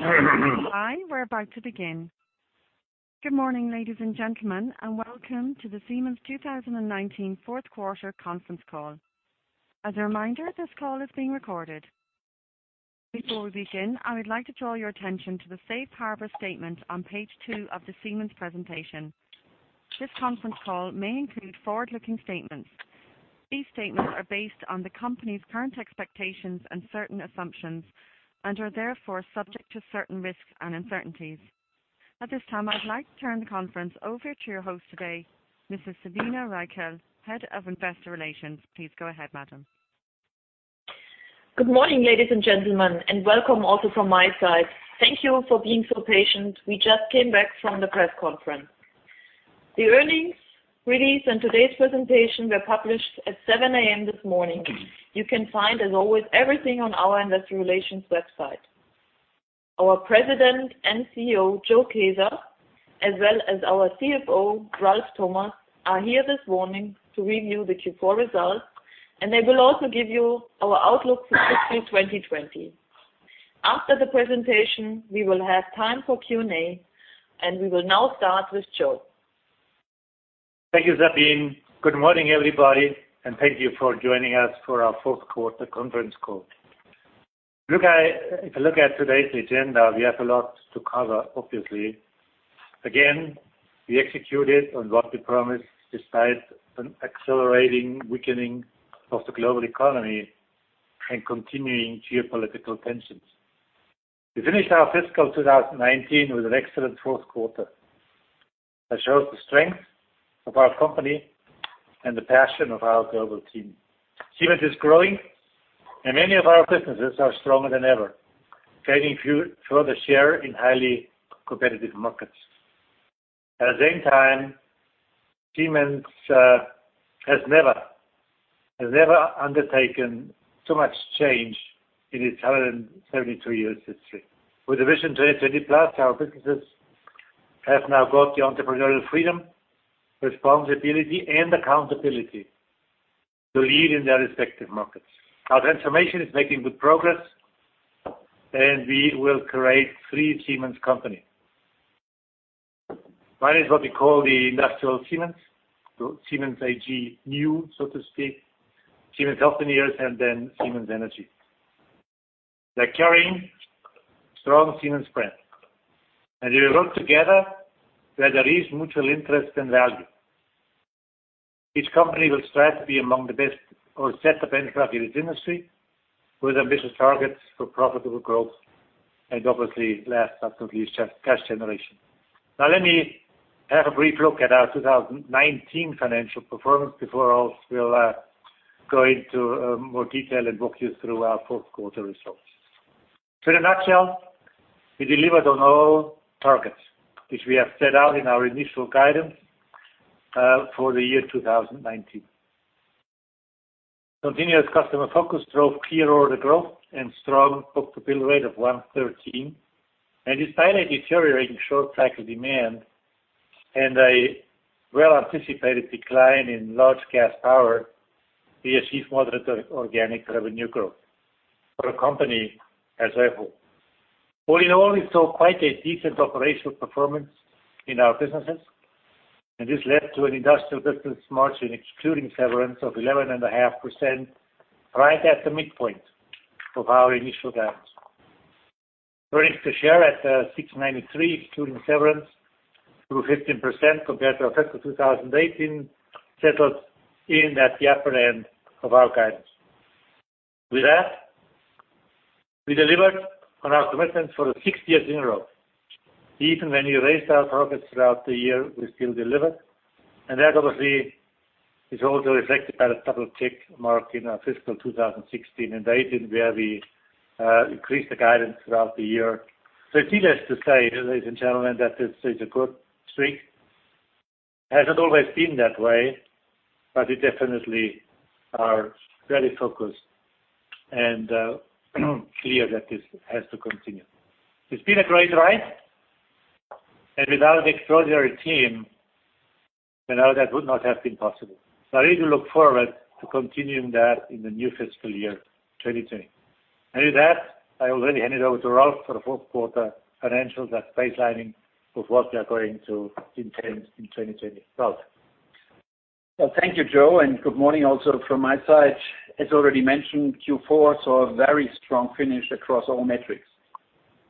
Hi. We're about to begin. Good morning, ladies and gentlemen, and welcome to the Siemens 2019 fourth quarter conference call. As a reminder, this call is being recorded. Before we begin, I would like to draw your attention to the Safe Harbor statement on page two of the Siemens presentation. This conference call may include forward-looking statements. These statements are based on the company's current expectations and certain assumptions, and are therefore subject to certain risks and uncertainties. At this time, I'd like to turn the conference over to your host today, Mrs. Sabine Reichel, Head of Investor Relations. Please go ahead, madam. Good morning, ladies and gentlemen, and welcome also from my side. Thank you for being so patient. We just came back from the press conference. The earnings release and today's presentation were published at 7:00 A.M. this morning. You can find, as always, everything on our investor relations website. Our President and CEO, Joe Kaeser, as well as our CFO, Ralf Thomas, are here this morning to review the Q4 results, and they will also give you our outlook for fiscal 2020. After the presentation, we will have time for Q&A, and we will now start with Joe. Thank you, Sabine. Good morning, everybody. Thank you for joining us for our fourth quarter conference call. If you look at today's agenda, we have a lot to cover, obviously. Again, we executed on what we promised, despite an accelerating weakening of the global economy and continuing geopolitical tensions. We finished our fiscal 2019 with an excellent fourth quarter that shows the strength of our company and the passion of our global team. Siemens is growing, and many of our businesses are stronger than ever, gaining further share in highly competitive markets. At the same time, Siemens has never undertaken so much change in its 173-year history. With Vision 2020+, our businesses have now got the entrepreneurial freedom, responsibility, and accountability to lead in their respective markets. Our transformation is making good progress, and we will create three Siemens companies. One is what we call the Industrial Siemens. Siemens AG new, so to speak. Siemens Healthineers. Siemens Energy. They're carrying strong Siemens brand, and they will work together where there is mutual interest and value. Each company will strive to be among the best or set the benchmark in its industry with ambitious targets for profitable growth and obviously last but not least, cash generation. Now let me have a brief look at our 2019 financial performance before we'll go into more detail and walk you through our fourth quarter results. In a nutshell, we delivered on all targets, which we have set out in our initial guidance for the year 2019. Continuous customer focus drove clear order growth and strong book-to-bill rate of 1.13. Despite a deteriorating short cycle demand and a well-anticipated decline in large gas power, we achieved moderate organic revenue growth for a company as a whole. All in all, we saw quite a decent operational performance in our businesses, and this led to an industrial business margin, excluding severance of 11.5%, right at the midpoint of our initial guidance. Earnings per share at €6.93, excluding severance, grew 15% compared to our fiscal 2018, settled in at the upper end of our guidance. With that, we delivered on our commitments for six years in a row. Even when we raised our targets throughout the year, we still delivered, and that obviously is also reflected by the double tick mark in our fiscal 2016 and 2018, where we increased the guidance throughout the year. Needless to say, ladies and gentlemen, that this is a good streak. Hasn't always been that way, but we definitely are very focused and clear that this has to continue. It's been a great ride, and without the extraordinary team, that would not have been possible. I really look forward to continuing that in the new fiscal year 2020. With that, I already hand it over to Ralf for the fourth quarter financials that's baselining of what we are going to intend in 2020. Ralf? Well, thank you, Joe, and good morning also from my side. As already mentioned, Q4 saw a very strong finish across all metrics.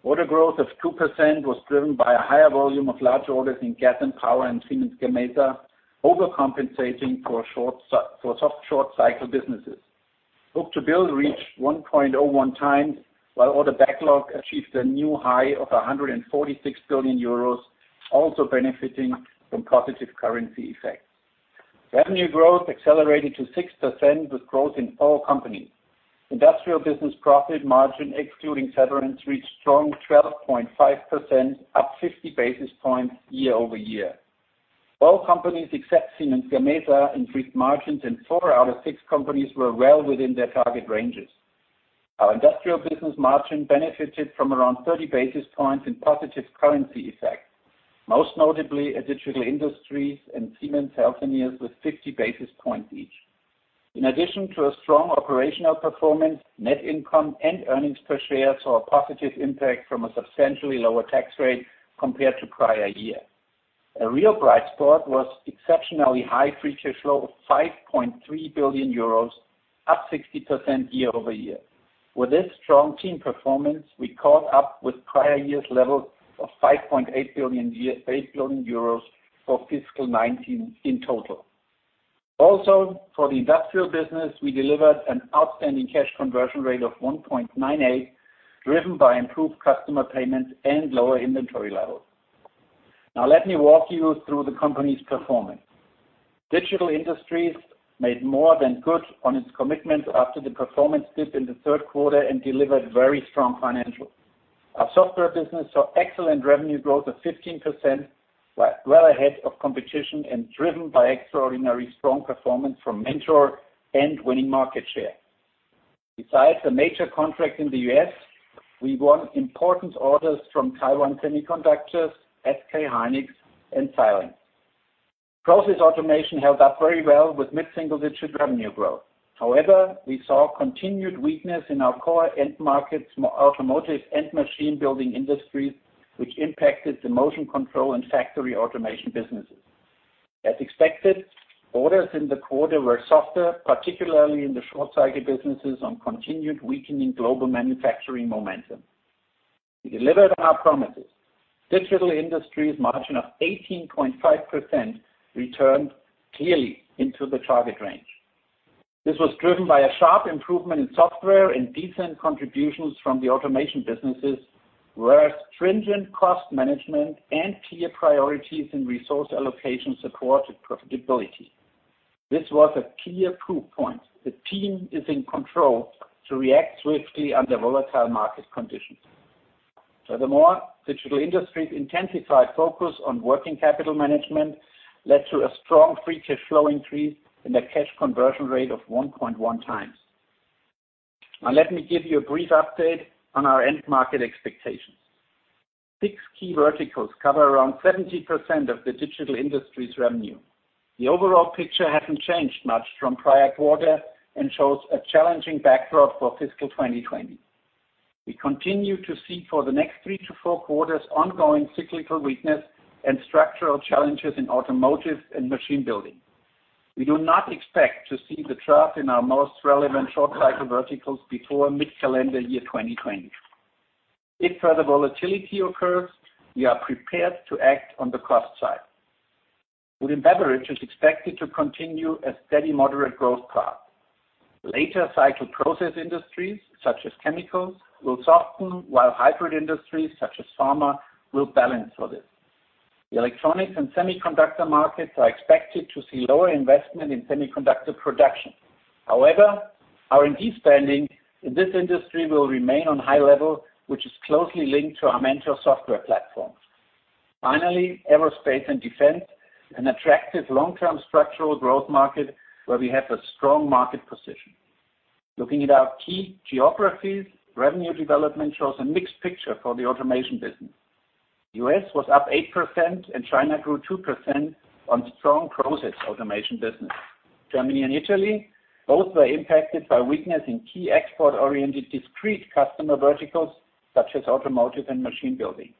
Order growth of 2% was driven by a higher volume of large orders in Gas and Power and Siemens Gamesa overcompensating for soft, short-cycle businesses. Book-to-bill reached 1.01 times, while order backlog achieved a new high of 146 billion euros, also benefiting from positive currency effects. Revenue growth accelerated to 6% with growth in all companies. Industrial business profit margin excluding severance reached strong 12.5%, up 50 basis points year-over-year. All companies except Siemens Gamesa increased margins, and four out of six companies were well within their target ranges. Our industrial business margin benefited from around 30 basis points in positive currency effect, most notably at Digital Industries and Siemens Healthineers with 50 basis points each. In addition to a strong operational performance, net income and earnings per share saw a positive impact from a substantially lower tax rate compared to prior year. A real bright spot was exceptionally high free cash flow of 5.3 billion euros, up 60% year-over-year. With this strong team performance, we caught up with prior year's level of 5.8 billion euros for fiscal 2019 in total. Also, for the industrial business, we delivered an outstanding cash conversion rate of 1.98, driven by improved customer payments and lower inventory levels. Now let me walk you through the company's performance. Digital Industries made more than good on its commitment after the performance dip in the third quarter and delivered very strong financials. Our software business saw excellent revenue growth of 15%, well ahead of competition, and driven by extraordinary strong performance from Mentor and winning market share. Besides the major contract in the U.S., we won important orders from Taiwan Semiconductor, SK hynix, and Siltronic. Process automation held up very well with mid-single-digit revenue growth. However, we saw continued weakness in our core end markets, automotive, and machine building industries, which impacted the motion control and factory automation businesses. As expected, orders in the quarter were softer, particularly in the short-cycle businesses on continued weakening global manufacturing momentum. We delivered on our promises. Digital Industries' margin of 18.5% returned clearly into the target range. This was driven by a sharp improvement in software and decent contributions from the automation businesses, whereas stringent cost management and clear priorities in resource allocation supported profitability. This was a clear proof point. The team is in control to react swiftly under volatile market conditions. Furthermore, Digital Industries' intensified focus on working capital management led to a strong free cash flow increase and a cash conversion rate of 1.1 times. Now let me give you a brief update on our end market expectations. Six key verticals cover around 70% of the Digital Industries revenue. The overall picture hasn't changed much from prior quarter and shows a challenging backdrop for fiscal 2020. We continue to see for the next three to four quarters ongoing cyclical weakness and structural challenges in automotive and machine building. We do not expect to see the trough in our most relevant short-cycle verticals before mid-calendar year 2020. If further volatility occurs, we are prepared to act on the cost side. Food and beverage is expected to continue a steady moderate growth path. Later cycle process industries, such as chemicals, will soften, while hybrid industries, such as pharma, will balance for this. The electronics and semiconductor markets are expected to see lower investment in semiconductor production. R&D spending in this industry will remain on high level, which is closely linked to our Mentor software platform. Aerospace and defense, an attractive long-term structural growth market where we have a strong market position. Looking at our key geographies, revenue development shows a mixed picture for the automation business. U.S. was up 8% and China grew 2% on strong process automation business. Germany and Italy both were impacted by weakness in key export-oriented discrete customer verticals, such as automotive and machine building.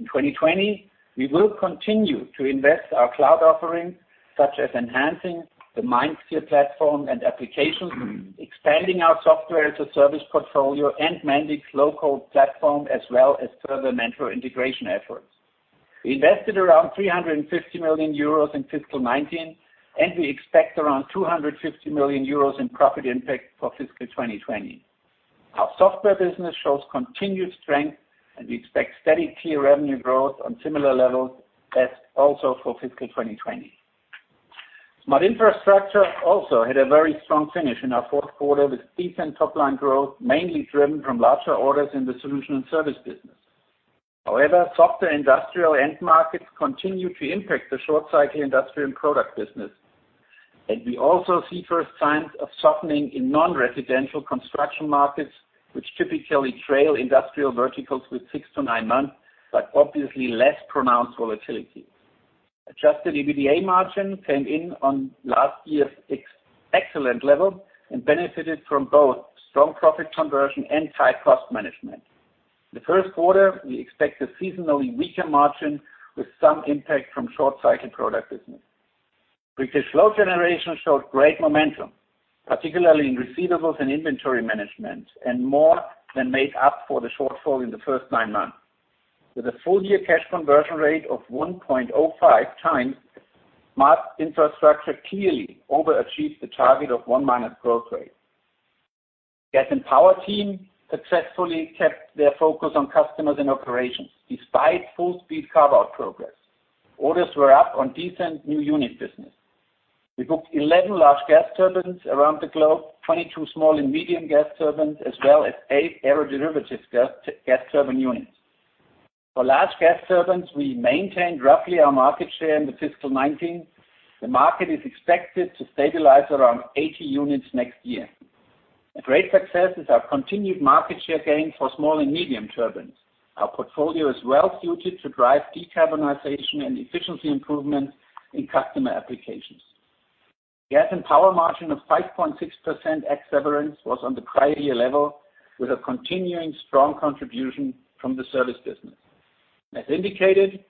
In 2020, we will continue to invest our cloud offering, such as enhancing the MindSphere platform and applications, expanding our software-as-a-service portfolio and Mendix low-code platform, as well as further Mentor integration efforts. We invested around 350 million euros in fiscal 2019. We expect around 250 million euros in profit impact for fiscal 2020. Our software business shows continued strength. We expect steady clear revenue growth on similar levels as also for fiscal 2020. Smart Infrastructure also had a very strong finish in our fourth quarter with decent top-line growth, mainly driven from larger orders in the solution and service business. Softer industrial end markets continue to impact the short-cycle industrial and product business. We also see first signs of softening in non-residential construction markets, which typically trail industrial verticals with six to nine months. Obviously less pronounced volatility. Adjusted EBITDA margin came in on last year's excellent level and benefited from both strong profit conversion and tight cost management. In the first quarter, we expect a seasonally weaker margin with some impact from short-cycle product business. Free cash flow generation showed great momentum, particularly in receivables and inventory management, and more than made up for the shortfall in the first nine months. With a full-year cash conversion rate of 1.05 times, Smart Infrastructure clearly overachieved the target of one minus growth rate. Gas and Power team successfully kept their focus on customers and operations despite full speed carve-out progress. Orders were up on decent new unit business. We booked 11 large gas turbines around the globe, 22 small and medium gas turbines, as well as eight aero-derivative gas turbine units. For large gas turbines, we maintained roughly our market share in the fiscal 2019. The market is expected to stabilize around 80 units next year. A great success is our continued market share gain for small and medium turbines. Our portfolio is well suited to drive decarbonization and efficiency improvements in customer applications. Gas and Power margin of 5.6% ex severance was on the prior year level, with a continuing strong contribution from the service business. As indicated,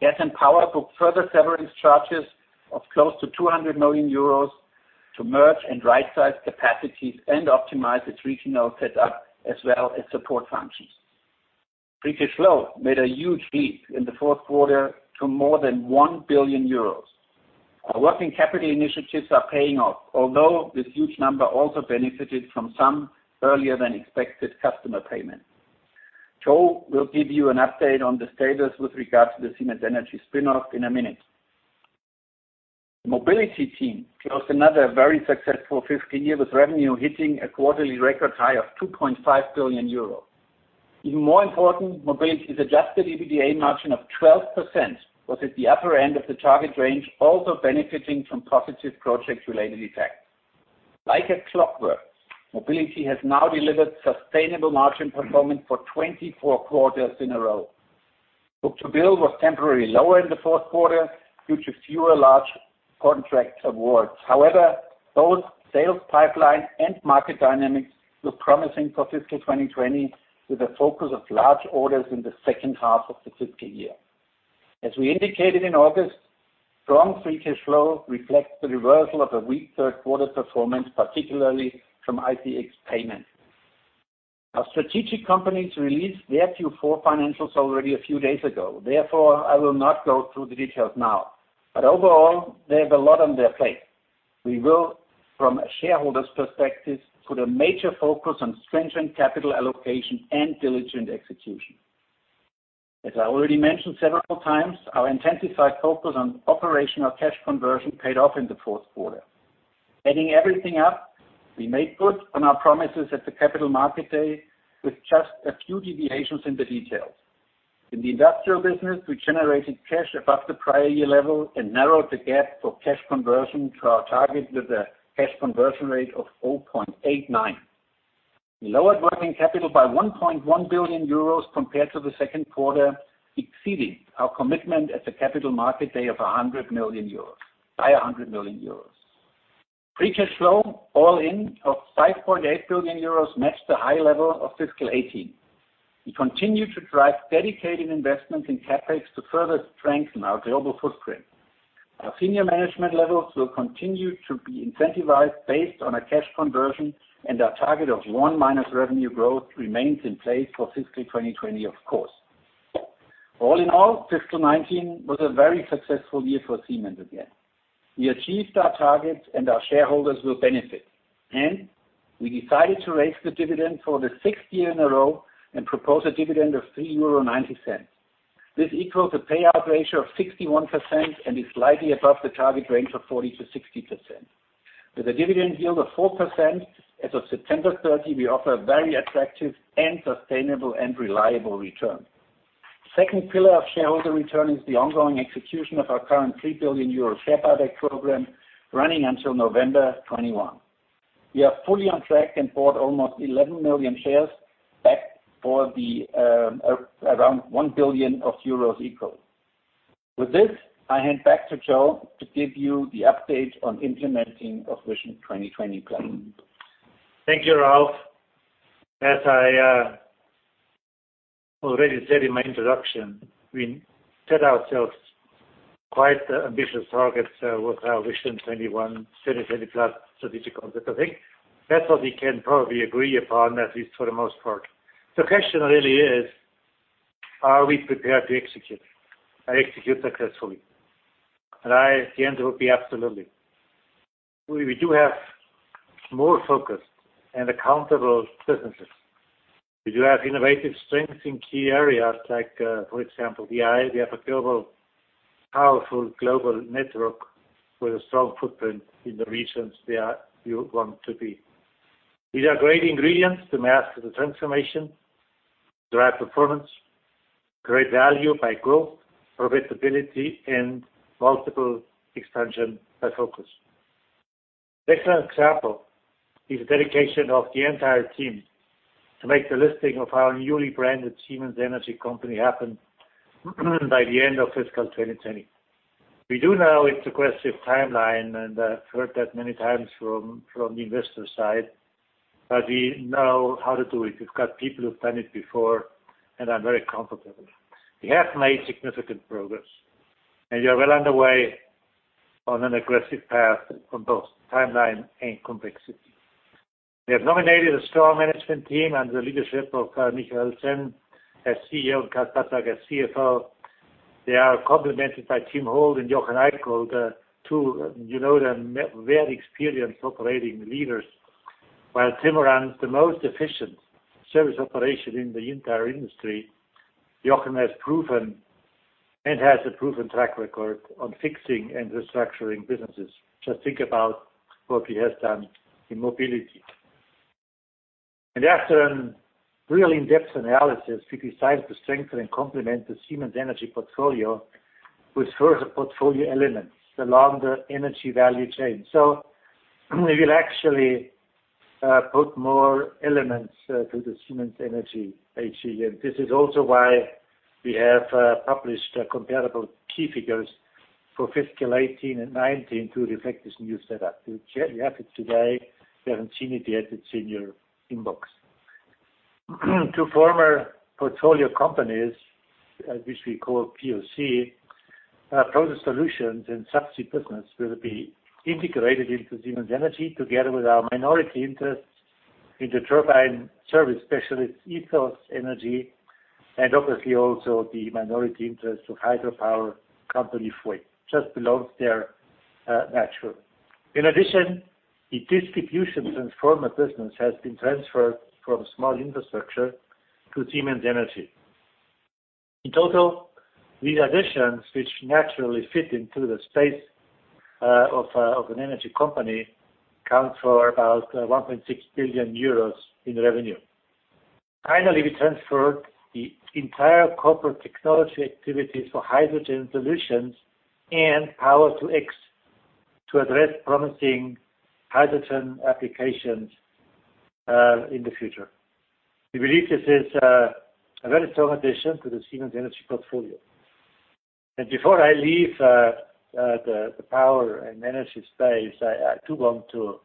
Gas and Power booked further severance charges of close to 200 million euros to merge and right-size capacities and optimize its regional setup as well as support functions. Free cash flow made a huge leap in the fourth quarter to more than 1 billion euros. Our working capital initiatives are paying off, although this huge number also benefited from some earlier than expected customer payments. Joe will give you an update on the status with regards to the Siemens Energy spin-off in a minute. Mobility team closed another very successful fiscal year with revenue hitting a quarterly record high of 2.5 billion euros. Even more important, Mobility's adjusted EBITDA margin of 12% was at the upper end of the target range, also benefiting from positive project-related effects. Like a clockwork, Mobility has now delivered sustainable margin performance for 24 quarters in a row. book-to-bill was temporarily lower in the fourth quarter due to fewer large contract awards. Both sales pipeline and market dynamics look promising for fiscal 2020 with a focus of large orders in the second half of the fiscal year. As we indicated in August, strong free cash flow reflects the reversal of a weak third quarter performance, particularly from ICX payments. Our strategic companies released their Q4 financials already a few days ago, therefore, I will not go through the details now. Overall, they have a lot on their plate. We will, from a shareholder's perspective, put a major focus on stringent capital allocation and diligent execution. As I already mentioned several times, our intensified focus on operational cash conversion paid off in the fourth quarter. Adding everything up, we made good on our promises at the Capital Market Day with just a few deviations in the details. In the industrial business, we generated cash above the prior year level and narrowed the gap for cash conversion to our target with a cash conversion rate of 0.89. We lowered working capital by 1.1 billion euros compared to the second quarter, exceeding our commitment at the Capital Market Day by 100 million euros. Free cash flow, all in of 5.8 billion euros matched the high level of fiscal 2018. We continue to drive dedicated investment in CapEx to further strengthen our global footprint. Our senior management levels will continue to be incentivized based on a cash conversion and our target of one minus revenue growth remains in place for fiscal 2020 of course. All in all, fiscal 2019 was a very successful year for Siemens again. We achieved our targets. Our shareholders will benefit. We decided to raise the dividend for the sixth year in a row and propose a dividend of 3.90 euro. This equals a payout ratio of 61% and is slightly above the target range of 40%-60%. With a dividend yield of 4% as of September 30, we offer a very attractive and sustainable and reliable return. Second pillar of shareholder return is the ongoing execution of our current 3 billion euro share buyback program running until November 2021. We are fully on track and bought almost 11 million shares back for around 1 billion euros equal. With this, I hand back to Joe to give you the update on implementing of Vision 2021. Thank you, Ralf. As I already said in my introduction, we set ourselves quite ambitious targets with our Vision 2020+, Strategy 2021+ strategic concept. I think that's what we can probably agree upon, at least for the most part. The question really is, are we prepared to execute and execute successfully? I, at the end, will be absolutely. We do have more focused and accountable businesses. We do have innovative strengths in key areas like for example, AI. We have a powerful global network with a strong footprint in the regions we want to be. These are great ingredients to master the transformation, drive performance, create value by growth, profitability, and multiple expansion by focus. Excellent example is the dedication of the entire team to make the listing of our newly branded Siemens Energy company happen by the end of fiscal 2020. We do know it's aggressive timeline, and I've heard that many times from the investor side, but we know how to do it. We've got people who've done it before, and I'm very comfortable. We have made significant progress, and we are well underway on an aggressive path on both timeline and complexity. We have nominated a strong management team under the leadership of Michael Sen as CEO and Klaus Patzak as CFO. They are complemented by Tim Holt and Jochen Eickholt, two, you know them, very experienced operating leaders. While Tim runs the most efficient service operation in the entire industry, Jochen has a proven track record on fixing and restructuring businesses. Just think about what he has done in Mobility. After a really in-depth analysis, we decided to strengthen and complement the Siemens Energy portfolio with further portfolio elements along the energy value chain. We will actually put more elements to the Siemens Energy AG. This is also why we have published comparable key figures for fiscal 2018 and 2019 to reflect this new setup, which if you have it today, you haven't seen it yet. It's in your inbox. Two former portfolio companies, which we call POC, Process Solutions and Subsea Business, will be integrated into Siemens Energy together with our minority interest in the turbine service specialist, EthosEnergy, and obviously also the minority interest of hydropower company, Voith Hydro. Just belongs there naturally. In addition, the distribution transformer business has been transferred from Smart Infrastructure to Siemens Energy. In total, these additions, which naturally fit into the space of an energy company, account for about 1.6 billion euros in revenue. Finally, we transferred the entire corporate technology activities for hydrogen solutions and Power-to-X to address promising hydrogen applications in the future. We believe this is a very strong addition to the Siemens Energy portfolio. Before I leave the Gas and Power space, I do want to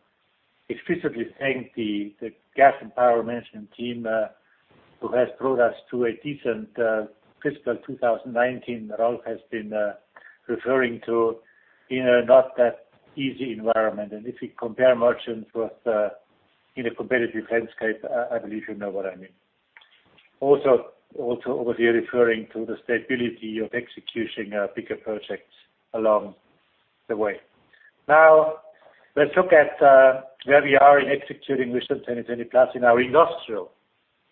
explicitly thank the Gas and Power management team who has brought us to a decent fiscal 2019 that Ralf has been referring to in a not that easy environment. If you compare margins in a competitive landscape, I believe you know what I mean. Obviously referring to the stability of executing bigger projects along the way. Let's look at where we are in executing Vision 2020+ in our industrial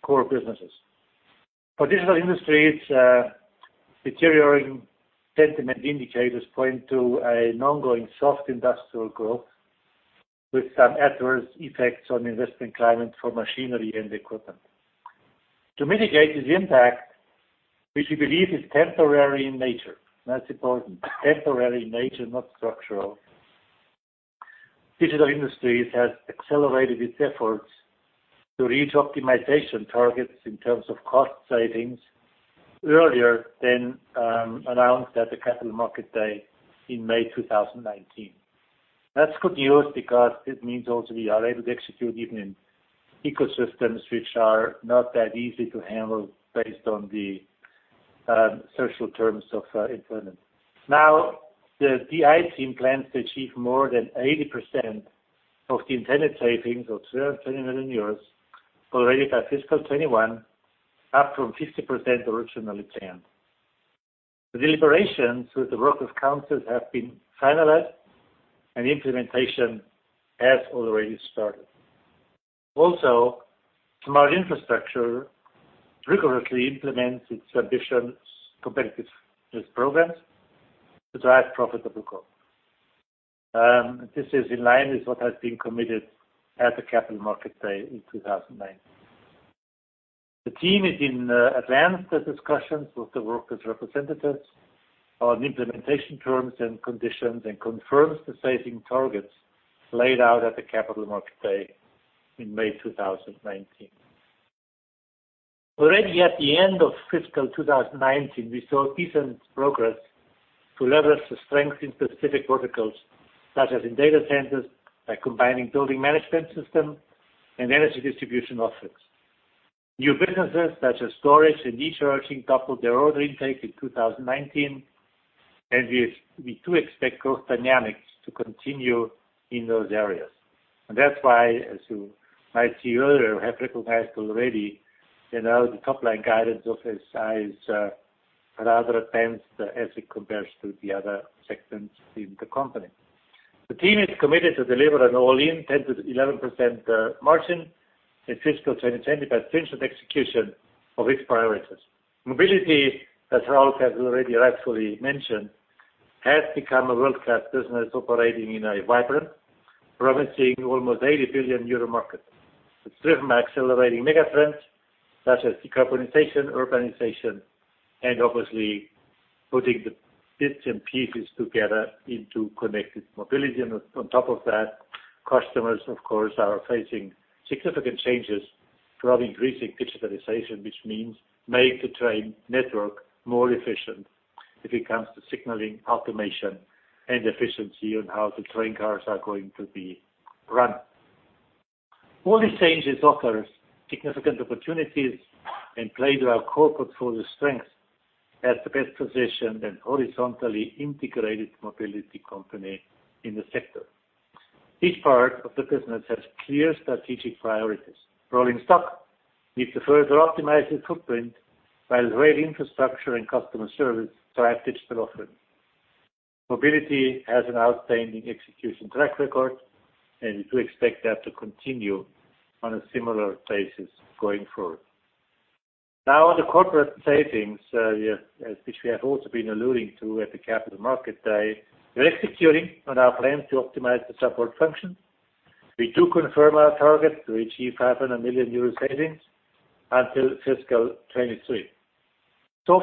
core businesses. For Digital Industries, deteriorating sentiment indicators point to an ongoing soft industrial growth with some adverse effects on investment climate for machinery and equipment. To mitigate this impact, which we believe is temporary in nature, and that's important, temporary in nature, not structural. Digital Industries has accelerated its efforts to reach optimization targets in terms of cost savings earlier than announced at the Capital Market Day in May 2019. That's good news because it means also we are able to execute even in ecosystems which are not that easy to handle based on the social terms of employment. The DI team plans to achieve more than 80% of the intended savings of 220 million euros already by fiscal 2021, up from 50% originally planned. The deliberations with the workers' councils have been finalized. Implementation has already started. Smart Infrastructure rigorously implements its ambitious competitiveness programs to drive profitable growth. This is in line with what has been committed at the Capital Market Day in 2019. The team is in advanced discussions with the workers' representatives on implementation terms and conditions and confirms the saving targets laid out at the Capital Market Day in May 2019. Already at the end of fiscal 2019, we saw decent progress to leverage the strength in specific verticals, such as in data centers, by combining building management system and energy distribution offers. New businesses such as storage and e-charging doubled their order intake in 2019. We do expect growth dynamics to continue in those areas. That's why, as you might see earlier, we have recognized already the top line guidance of SI is rather tense as it compares to the other segments in the company. The team is committed to deliver an all-in 10%-11% margin in fiscal 2020 by stringent execution of its priorities. Mobility, as Ralf has already rightfully mentioned, has become a world-class business operating in a vibrant, promising almost 80 billion euro market. It's driven by accelerating mega trends such as decarbonization, urbanization, and obviously putting the bits and pieces together into connected mobility. On top of that, customers, of course, are facing significant changes throughout increasing digitalization, which means make the train network more efficient if it comes to signaling, automation, and efficiency on how the train cars are going to be run. All these changes offer significant opportunities and play to our core portfolio strength as the best positioned and horizontally integrated Mobility company in the sector. Each part of the business has clear strategic priorities. Rolling stock needs to further optimize its footprint, while rail infrastructure and customer service drive digital offerings. Mobility has an outstanding execution track record. We do expect that to continue on a similar basis going forward. Now on the corporate savings, which we have also been alluding to at the Capital Market Day. We're executing on our plan to optimize the support function. We do confirm our target to achieve 500 million euro savings until fiscal 2023.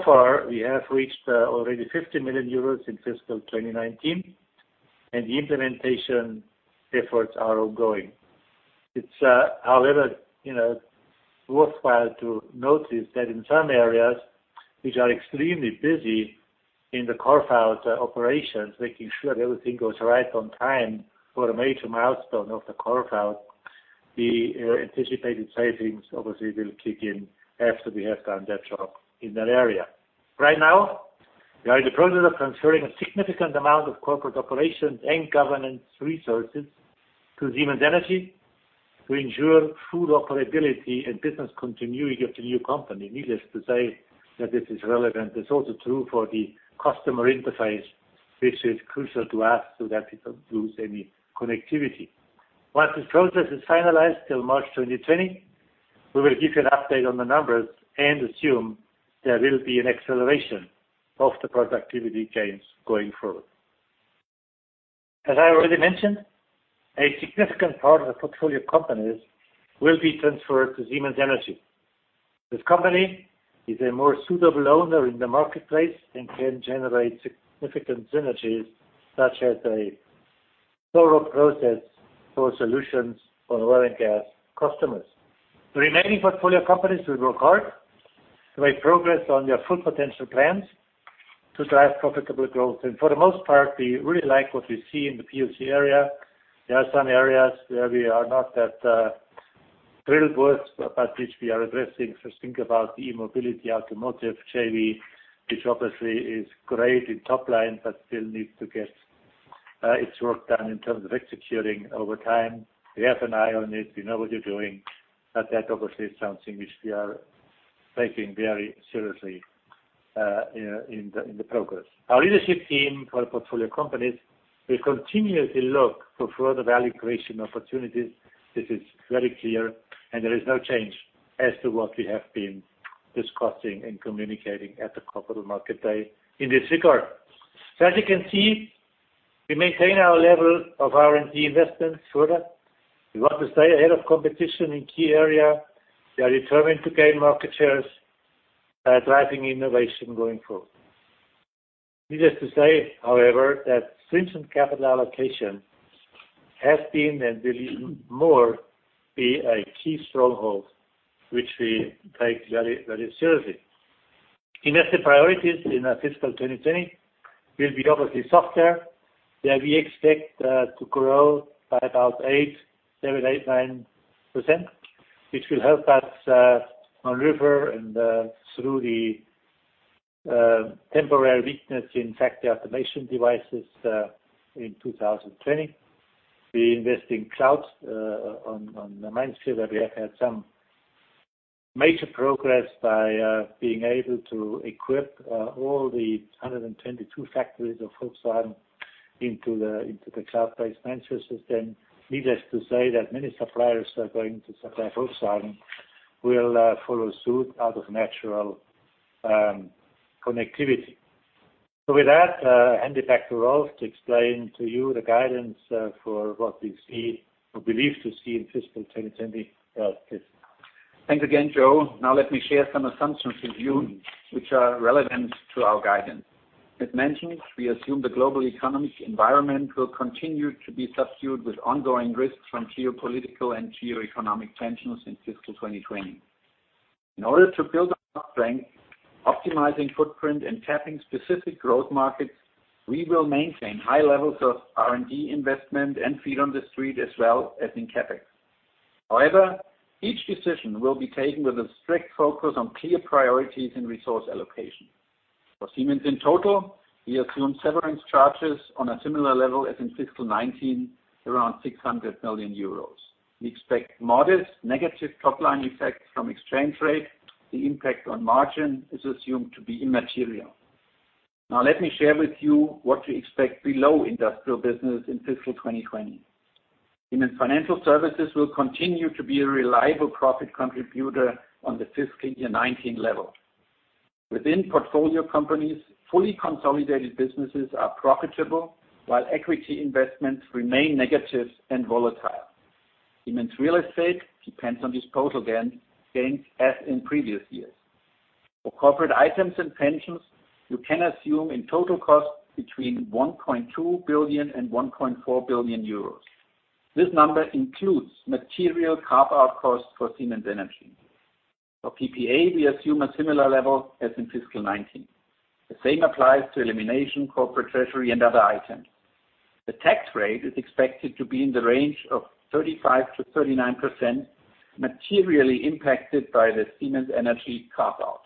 Far, we have reached already 50 million euros in fiscal 2019. The implementation efforts are ongoing. It's however worthwhile to notice that in some areas, which are extremely busy in the carve-out operations, making sure that everything goes right on time for a major milestone of the carve-out, the anticipated savings obviously will kick in after we have done that job in that area. Right now, we are in the process of transferring a significant amount of corporate operations and governance resources to Siemens Energy to ensure full operability and business continuity of the new company. Needless to say that this is relevant. It's also true for the customer interface, which is crucial to us so that we don't lose any connectivity. Once this process is finalized till March 2020, we will give you an update on the numbers and assume there will be an acceleration of the productivity gains going forward. As I already mentioned, a significant part of the portfolio companies will be transferred to Siemens Energy. This company is a more suitable owner in the marketplace and can generate significant synergies, such as a thorough process for solutions for oil and gas customers. The remaining portfolio companies will work hard to make progress on their full potential plans to drive profitable growth. For the most part, we really like what we see in the POC area. There are some areas where we are not that thrilled with, but which we are addressing. Just think about the eMobility automotive JV, which obviously is great in top line, but still needs to get its work done in terms of executing over time. We have an eye on it. We know what we're doing, but that obviously is something which we are taking very seriously in the progress. Our leadership team for portfolio companies will continuously look for further value creation opportunities. This is very clear, and there is no change as to what we have been discussing and communicating at the Capital Market Day in this regard. As you can see, we maintain our level of R&D investments further. We want to stay ahead of competition in key area. We are determined to gain market shares by driving innovation going forward. Needless to say, however, that stringent capital allocation has been and will more be a key stronghold, which we take very, very seriously. Investor priorities in our fiscal 2020 will be obviously software, where we expect to grow by about eight, seven, eight, 9%, which will help us on revenue and through the temporary weakness in factory automation devices in 2020. We invest in cloud on the MindSphere, where we have had some major progress by being able to equip all the 122 factories of Volkswagen into the cloud-based MindSphere system. Needless to say that many suppliers are going to supply Volkswagen will follow suit out of natural connectivity. With that, hand it back to Ralf to explain to you the guidance for what we see or believe to see in fiscal 2020. Thanks again, Joe. Let me share some assumptions with you, which are relevant to our guidance. As mentioned, we assume the global economic environment will continue to be subdued with ongoing risks from geopolitical and geo-economic tensions in fiscal 2020. In order to build on our strength, optimizing footprint and tapping specific growth markets, we will maintain high levels of R&D investment and feet on the street as well as in CapEx. Each decision will be taken with a strict focus on clear priorities in resource allocation. For Siemens in total, we assume severance charges on a similar level as in fiscal 2019, around 600 million euros. We expect modest negative top-line effects from exchange rate. The impact on margin is assumed to be immaterial. Let me share with you what we expect below industrial business in fiscal 2020. Siemens Financial Services will continue to be a reliable profit contributor on the fiscal year 2019 level. Within portfolio companies, fully consolidated businesses are profitable, while equity investments remain negative and volatile. Siemens Real Estate depends on disposal gains as in previous years. For corporate items and pensions, you can assume in total cost between 1.2 billion and 1.4 billion euros. This number includes material carve-out costs for Siemens Energy. For PPA, we assume a similar level as in fiscal 2019. The same applies to elimination, corporate treasury, and other items. The tax rate is expected to be in the range of 35%-39%, materially impacted by the Siemens Energy carve-out.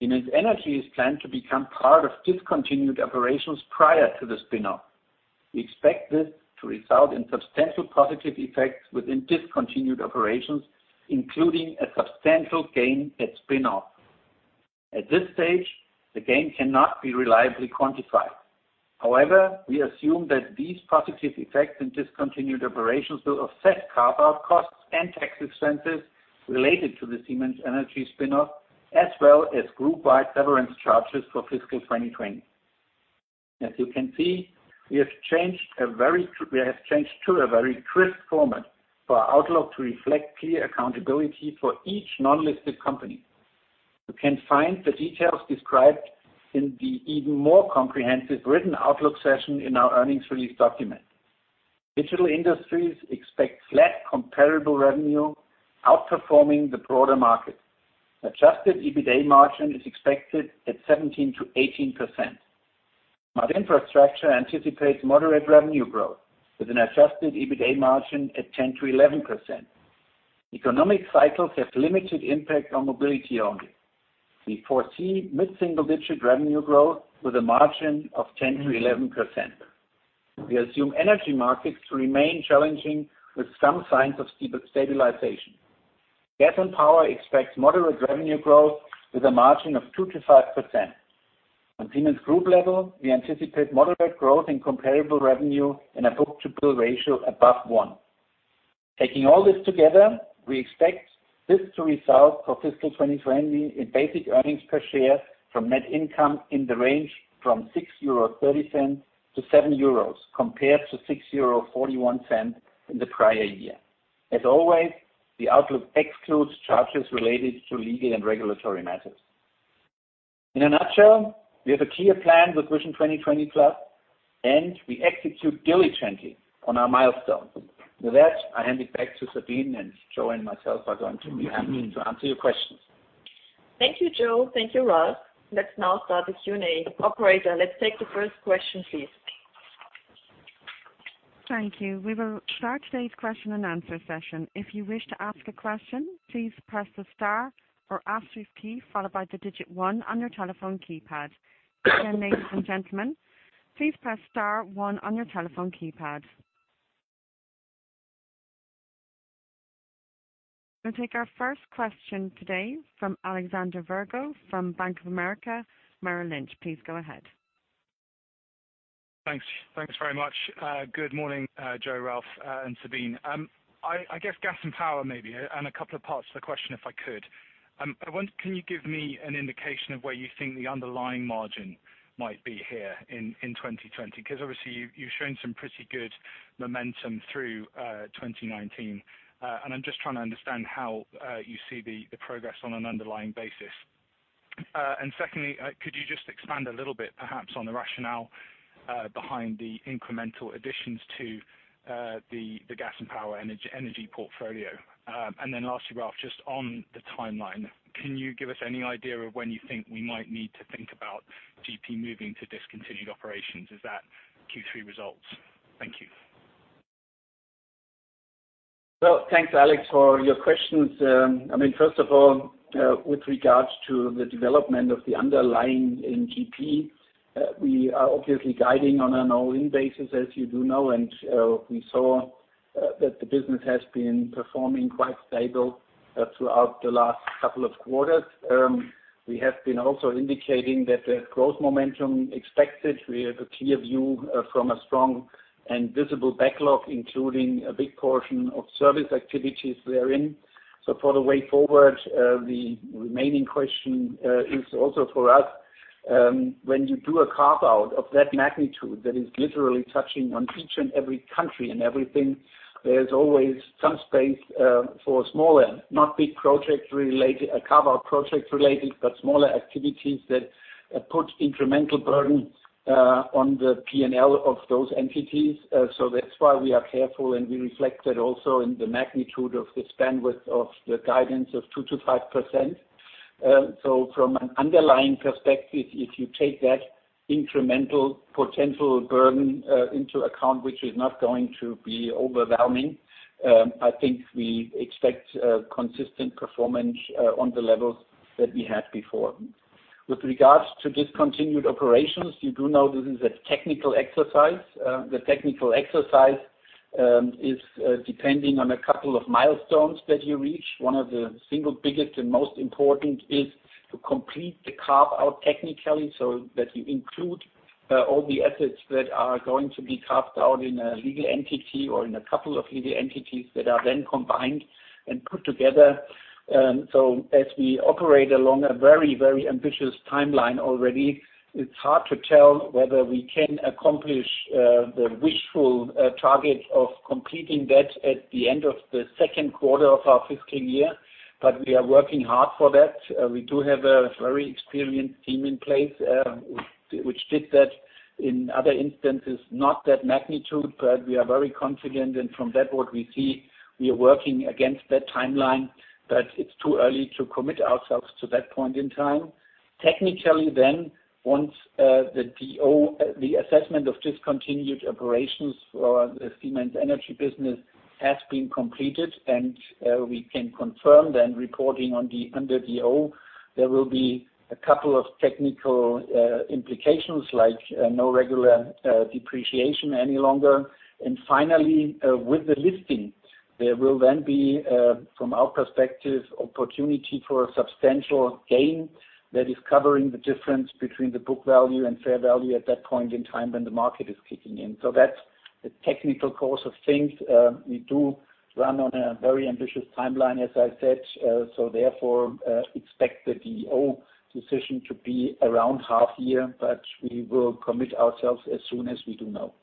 Siemens Energy's plan to become part of discontinued operations prior to the spin-off. We expect this to result in substantial positive effects within discontinued operations, including a substantial gain at spin-off. At this stage, the gain cannot be reliably quantified. We assume that these positive effects and discontinued operations will offset carve-out costs and tax expenses related to the Siemens Energy spinoff, as well as group-wide severance charges for fiscal 2020. As you can see, we have changed to a very crisp format for our outlook to reflect clear accountability for each non-listed company. You can find the details described in the even more comprehensive written outlook section in our earnings release document. Digital Industries expects flat comparable revenue outperforming the broader market. Adjusted EBITA margin is expected at 17%-18%. Smart Infrastructure anticipates moderate revenue growth with an adjusted EBITA margin at 10%-11%. Economic cycles have limited impact on Mobility only. We foresee mid-single-digit revenue growth with a margin of 10%-11%. We assume energy markets to remain challenging with some signs of stabilization. Gas and Power expects moderate revenue growth with a margin of 2%-5%. On Siemens level, we anticipate moderate growth in comparable revenue and a book-to-bill ratio above one. Taking all this together, we expect this to result for fiscal 2020 in basic earnings per share from net income in the range from 6.30-7 euro, compared to 6.41 euro in the prior year. As always, the outlook excludes charges related to legal and regulatory matters. In a nutshell, we have a clear plan with Vision 2020+, and we execute diligently on our milestones. With that, I hand it back to Sabine, and Joe and myself are going to be happy to answer your questions. Thank you, Joe. Thank you, Ralf. Let's now start the Q&A. Operator, let's take the first question, please. Thank you. We will start today's question and answer session. If you wish to ask a question, please press the star or asterisk key followed by the digit one on your telephone keypad. Again, ladies and gentlemen, please press star one on your telephone keypad. We'll take our first question today from Alexander Virgo from Bank of America Merrill Lynch. Please go ahead. Thanks. Thanks very much. Good morning, Joe, Ralf, and Sabine. I guess Gas and Power, maybe, and a couple of parts to the question, if I could. One, can you give me an indication of where you think the underlying margin might be here in 2020? Because obviously, you've shown some pretty good momentum through 2019. I'm just trying to understand how you see the progress on an underlying basis. Secondly, could you just expand a little bit, perhaps, on the rationale behind the incremental additions to the Gas and Power energy portfolio? Lastly, Ralf, just on the timeline, can you give us any idea of when you think we might need to think about GP moving to discontinued operations? Is that Q3 results? Thank you. Thanks, Alex, for your questions. First of all, with regards to the development of the underlying in GP, we are obviously guiding on an all-in basis, as you do know, and we saw that the business has been performing quite stable throughout the last couple of quarters. We have been also indicating that there's growth momentum expected. We have a clear view from a strong and visible backlog, including a big portion of service activities therein. For the way forward, the remaining question is also for us, when you do a carve-out of that magnitude that is literally touching on each and every country and everything, there's always some space for smaller, not big carve-out project related, but smaller activities that put incremental burden on the P&L of those entities. That's why we are careful, and we reflect that also in the magnitude of this bandwidth of the guidance of 2%-5%. From an underlying perspective, if you take that incremental potential burden into account, which is not going to be overwhelming, I think we expect consistent performance on the levels that we had before. With regards to discontinued operations, you do know this is a technical exercise. The technical exercise is depending on a couple of milestones that you reach. One of the single biggest and most important is to complete the carve-out technically, so that you include all the assets that are going to be carved out in a legal entity or in a couple of legal entities that are then combined and put together. As we operate along a very ambitious timeline already, it's hard to tell whether we can accomplish the wishful target of completing that at the end of the second quarter of our fiscal year. We are working hard for that. We do have a very experienced team in place, which did that in other instances, not that magnitude, but we are very confident. From that what we see, we are working against that timeline, but it's too early to commit ourselves to that point in time. Technically, once the assessment of discontinued operations for the Siemens Energy business has been completed and we can confirm then reporting under the O, there will be a couple of technical implications, like no regular depreciation any longer. Finally, with the listing There will be, from our perspective, opportunity for a substantial gain that is covering the difference between the book value and fair value at that point in time when the market is kicking in. That's the technical course of things. We do run on a very ambitious timeline, as I said. Therefore, expect the DO decision to be around half year, but we will commit ourselves as soon as we do know.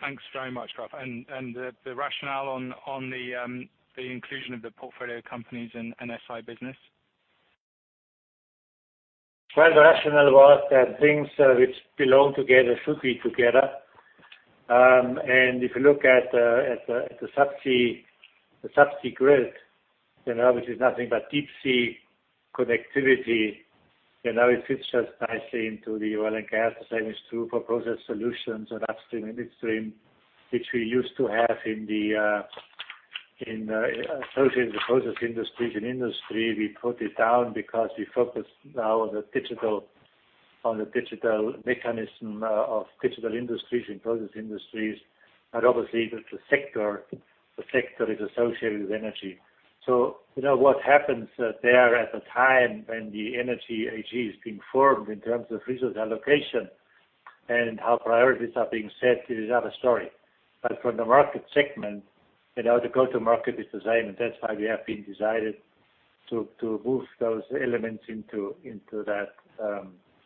Thanks very much, Ralf. The rationale on the inclusion of the portfolio companies in NSI business? The rationale was that things which belong together should be together. If you look at the Subsea Business, which is nothing but deep sea connectivity, it fits just nicely into the oil and gas. The same is true for Process Solutions and upstream and midstream, which we used to have associated with the process industries and industry. We put it down because we focus now on the digital mechanism of Digital Industries and process industries, and obviously the sector is associated with energy. What happens there at the time when the Siemens Energy AG is being formed in terms of resource allocation and how priorities are being set is another story. From the market segment, the go to market is the same. That's why we have been decided to move those elements into that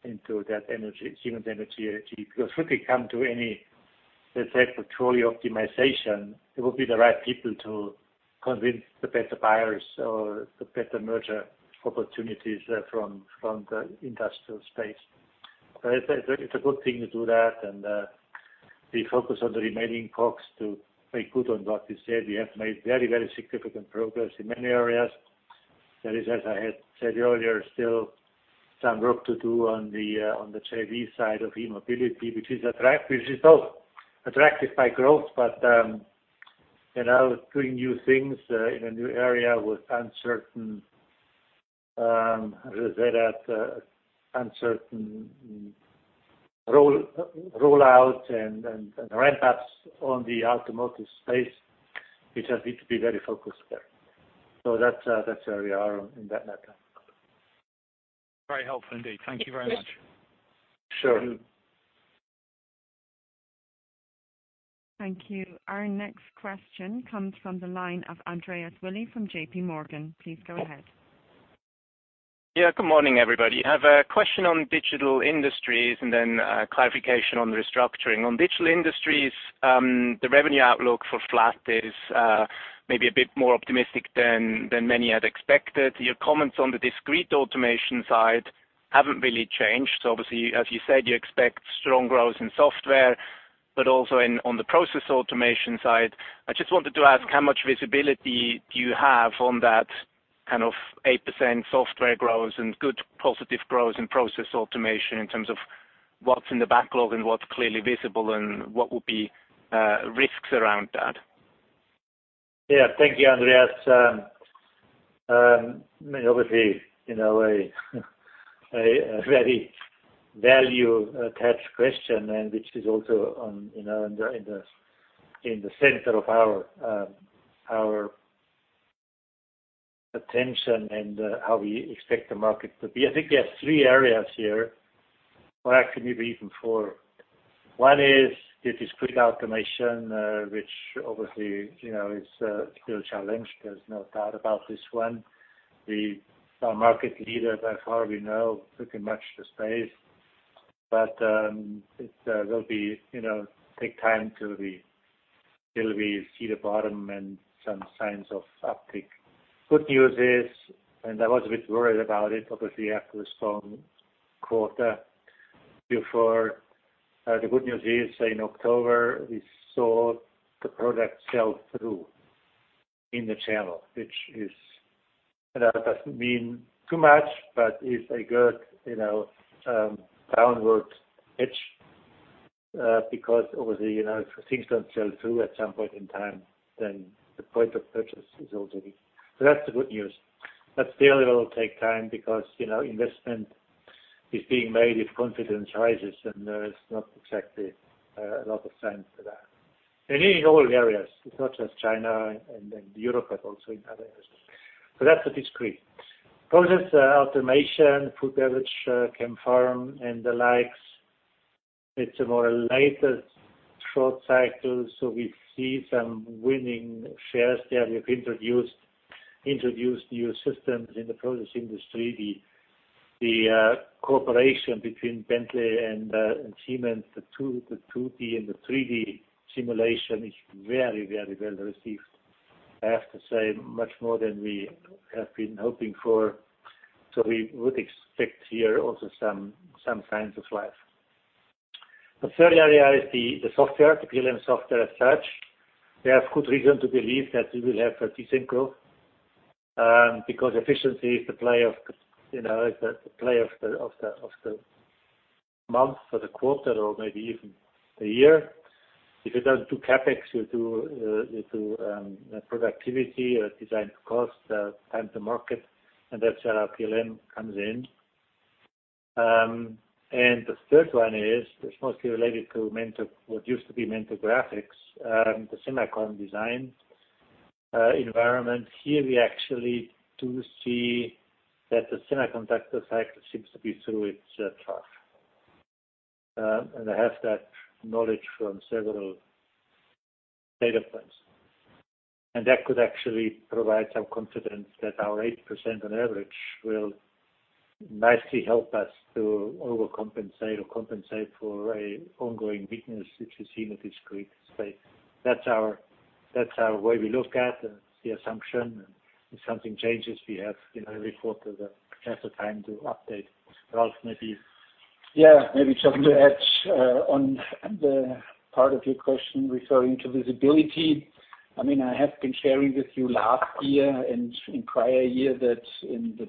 Siemens Energy AG. Should we come to any, let's say, portfolio optimization, it will be the right people to convince the better buyers or the better merger opportunities from the industrial space. It's a good thing to do that, and we focus on the remaining talks to make good on what we said. We have made very significant progress in many areas. There is, as I had said earlier, still some work to do on the JV side of eMobility, which is attractive by growth, but doing new things in a new area with uncertain rollout and ramp-ups on the automotive space, we just need to be very focused there. That's where we are in that matter. Very helpful indeed. Thank you very much. Sure. Thank you. Our next question comes from the line of Andreas Willi from JP Morgan. Please go ahead. Yeah. Good morning, everybody. I have a question on Digital Industries and then clarification on the restructuring. On Digital Industries, the revenue outlook for flat is maybe a bit more optimistic than many had expected. Your comments on the discrete automation side haven't really changed. Obviously, as you said, you expect strong growth in software, but also on the process automation side. I just wanted to ask how much visibility do you have on that kind of 8% software growth and good positive growth in process automation in terms of what's in the backlog and what's clearly visible and what would be risks around that? Thank you, Andreas. Obviously a very value attached question, which is also in the center of our attention and how we expect the market to be. I think there are three areas here, or actually maybe even four. One is the discrete automation, which obviously is still a challenge. There's no doubt about this one. We are market leader by far, we know pretty much the space. It will take time till we see the bottom and some signs of uptick. Good news is, I was a bit worried about it, obviously after a strong quarter before. The good news is, in October, we saw the product sell through in the channel, which doesn't mean too much, but is a good downward edge. Obviously, if things don't sell through at some point in time, the point of purchase is already. That's the good news. Still, it will take time because investment is being made if confidence rises, and there is not exactly a lot of signs for that. In all areas. It's not just China and Europe, but also in other areas. That's the discrete. Process automation, food, beverage, chem, pharm, and the likes. It's more a lighter short cycle. We see some winning shares there. We've introduced new systems in the process industry. The cooperation between Bentley and Siemens, the 2D and the 3D simulation is very well received. I have to say, much more than we have been hoping for. We would expect here also some signs of life. The third area is the software, the PLM software as such. We have good reason to believe that we will have a decent growth, because efficiency is the play of the month for the quarter or maybe even the year. If it doesn't do CapEx, it will do productivity or design to cost, time to market, and that's where our PLM comes in. The third one is, it's mostly related to what used to be Mentor Graphics, the semiconductor design environment. Here we actually do see that the semiconductor cycle seems to be through its trough. I have that knowledge from several data points. That could actually provide some confidence that our 8% on average will nicely help us to overcompensate or compensate for an ongoing weakness, which we see in the discrete space. That's our way we look at the assumption, and if something changes, we have a report or the chance of time to update. Ralf, maybe. Yeah, maybe something to add on the part of your question referring to visibility. I have been sharing with you last year and in prior year that in the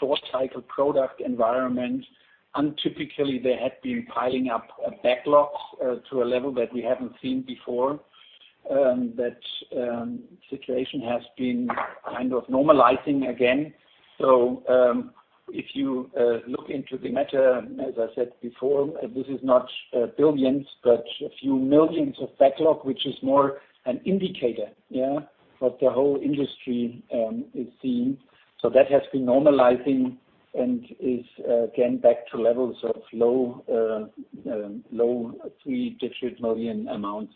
short-cycle product environment, untypically, they had been piling up a backlog to a level that we haven't seen before. That situation has been kind of normalizing again. If you look into the matter, as I said before, this is not billions, but a few millions of backlog, which is more an indicator of the whole industry is seeing. That has been normalizing and is again back to levels of low three-digit million EUR amounts.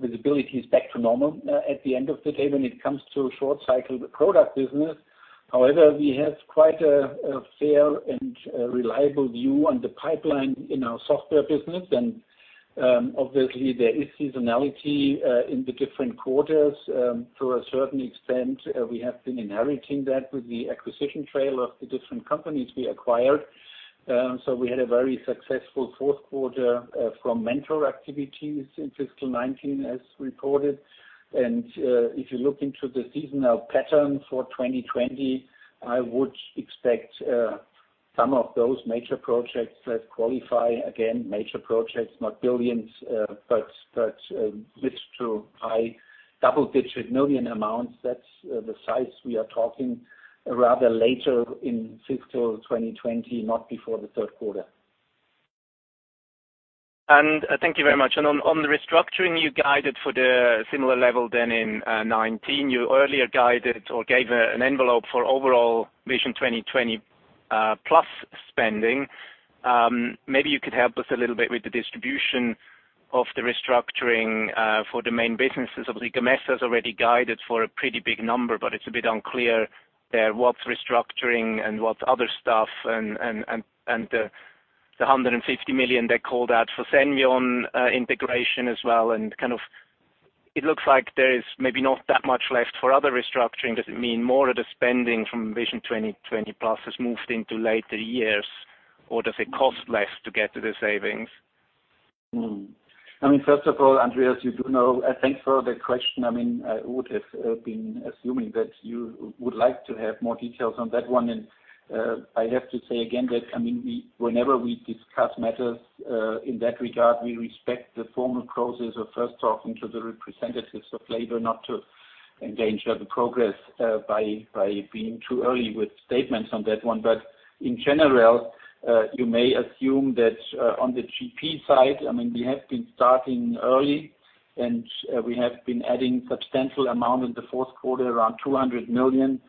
Visibility is back to normal at the end of the day when it comes to short-cycle product business. However, we have quite a fair and reliable view on the pipeline in our software business. Obviously there is seasonality in the different quarters. To a certain extent, we have been inheriting that with the acquisition trail of the different companies we acquired. We had a very successful fourth quarter from Mentor activities in fiscal 2019, as reported. If you look into the seasonal pattern for 2020, I would expect some of those major projects that qualify, again, major projects, not billions, but mid to high double-digit million amounts. That's the size we are talking rather later in fiscal 2020, not before the third quarter. Thank you very much. On the restructuring, you guided for the similar level then in '19. You earlier guided or gave an envelope for overall Vision 2020+ spending. Maybe you could help us a little bit with the distribution of the restructuring for the main businesses. Obviously, Gamesa's already guided for a pretty big number, but it's a bit unclear there what's restructuring and what's other stuff, and the 150 million they called out for Senvion integration as well. It looks like there is maybe not that much left for other restructuring. Does it mean more of the spending from Vision 2020+ has moved into later years, or does it cost less to get to the savings? First of all, Andreas, you do know, thanks for the question. I would have been assuming that you would like to have more details on that one. I have to say again that, whenever we discuss matters in that regard, we respect the formal process of first talking to the representatives of labor, not to endanger the progress by being too early with statements on that one. In general, you may assume that on the GP side, we have been starting early, and we have been adding substantial amount in the fourth quarter, around 200 million.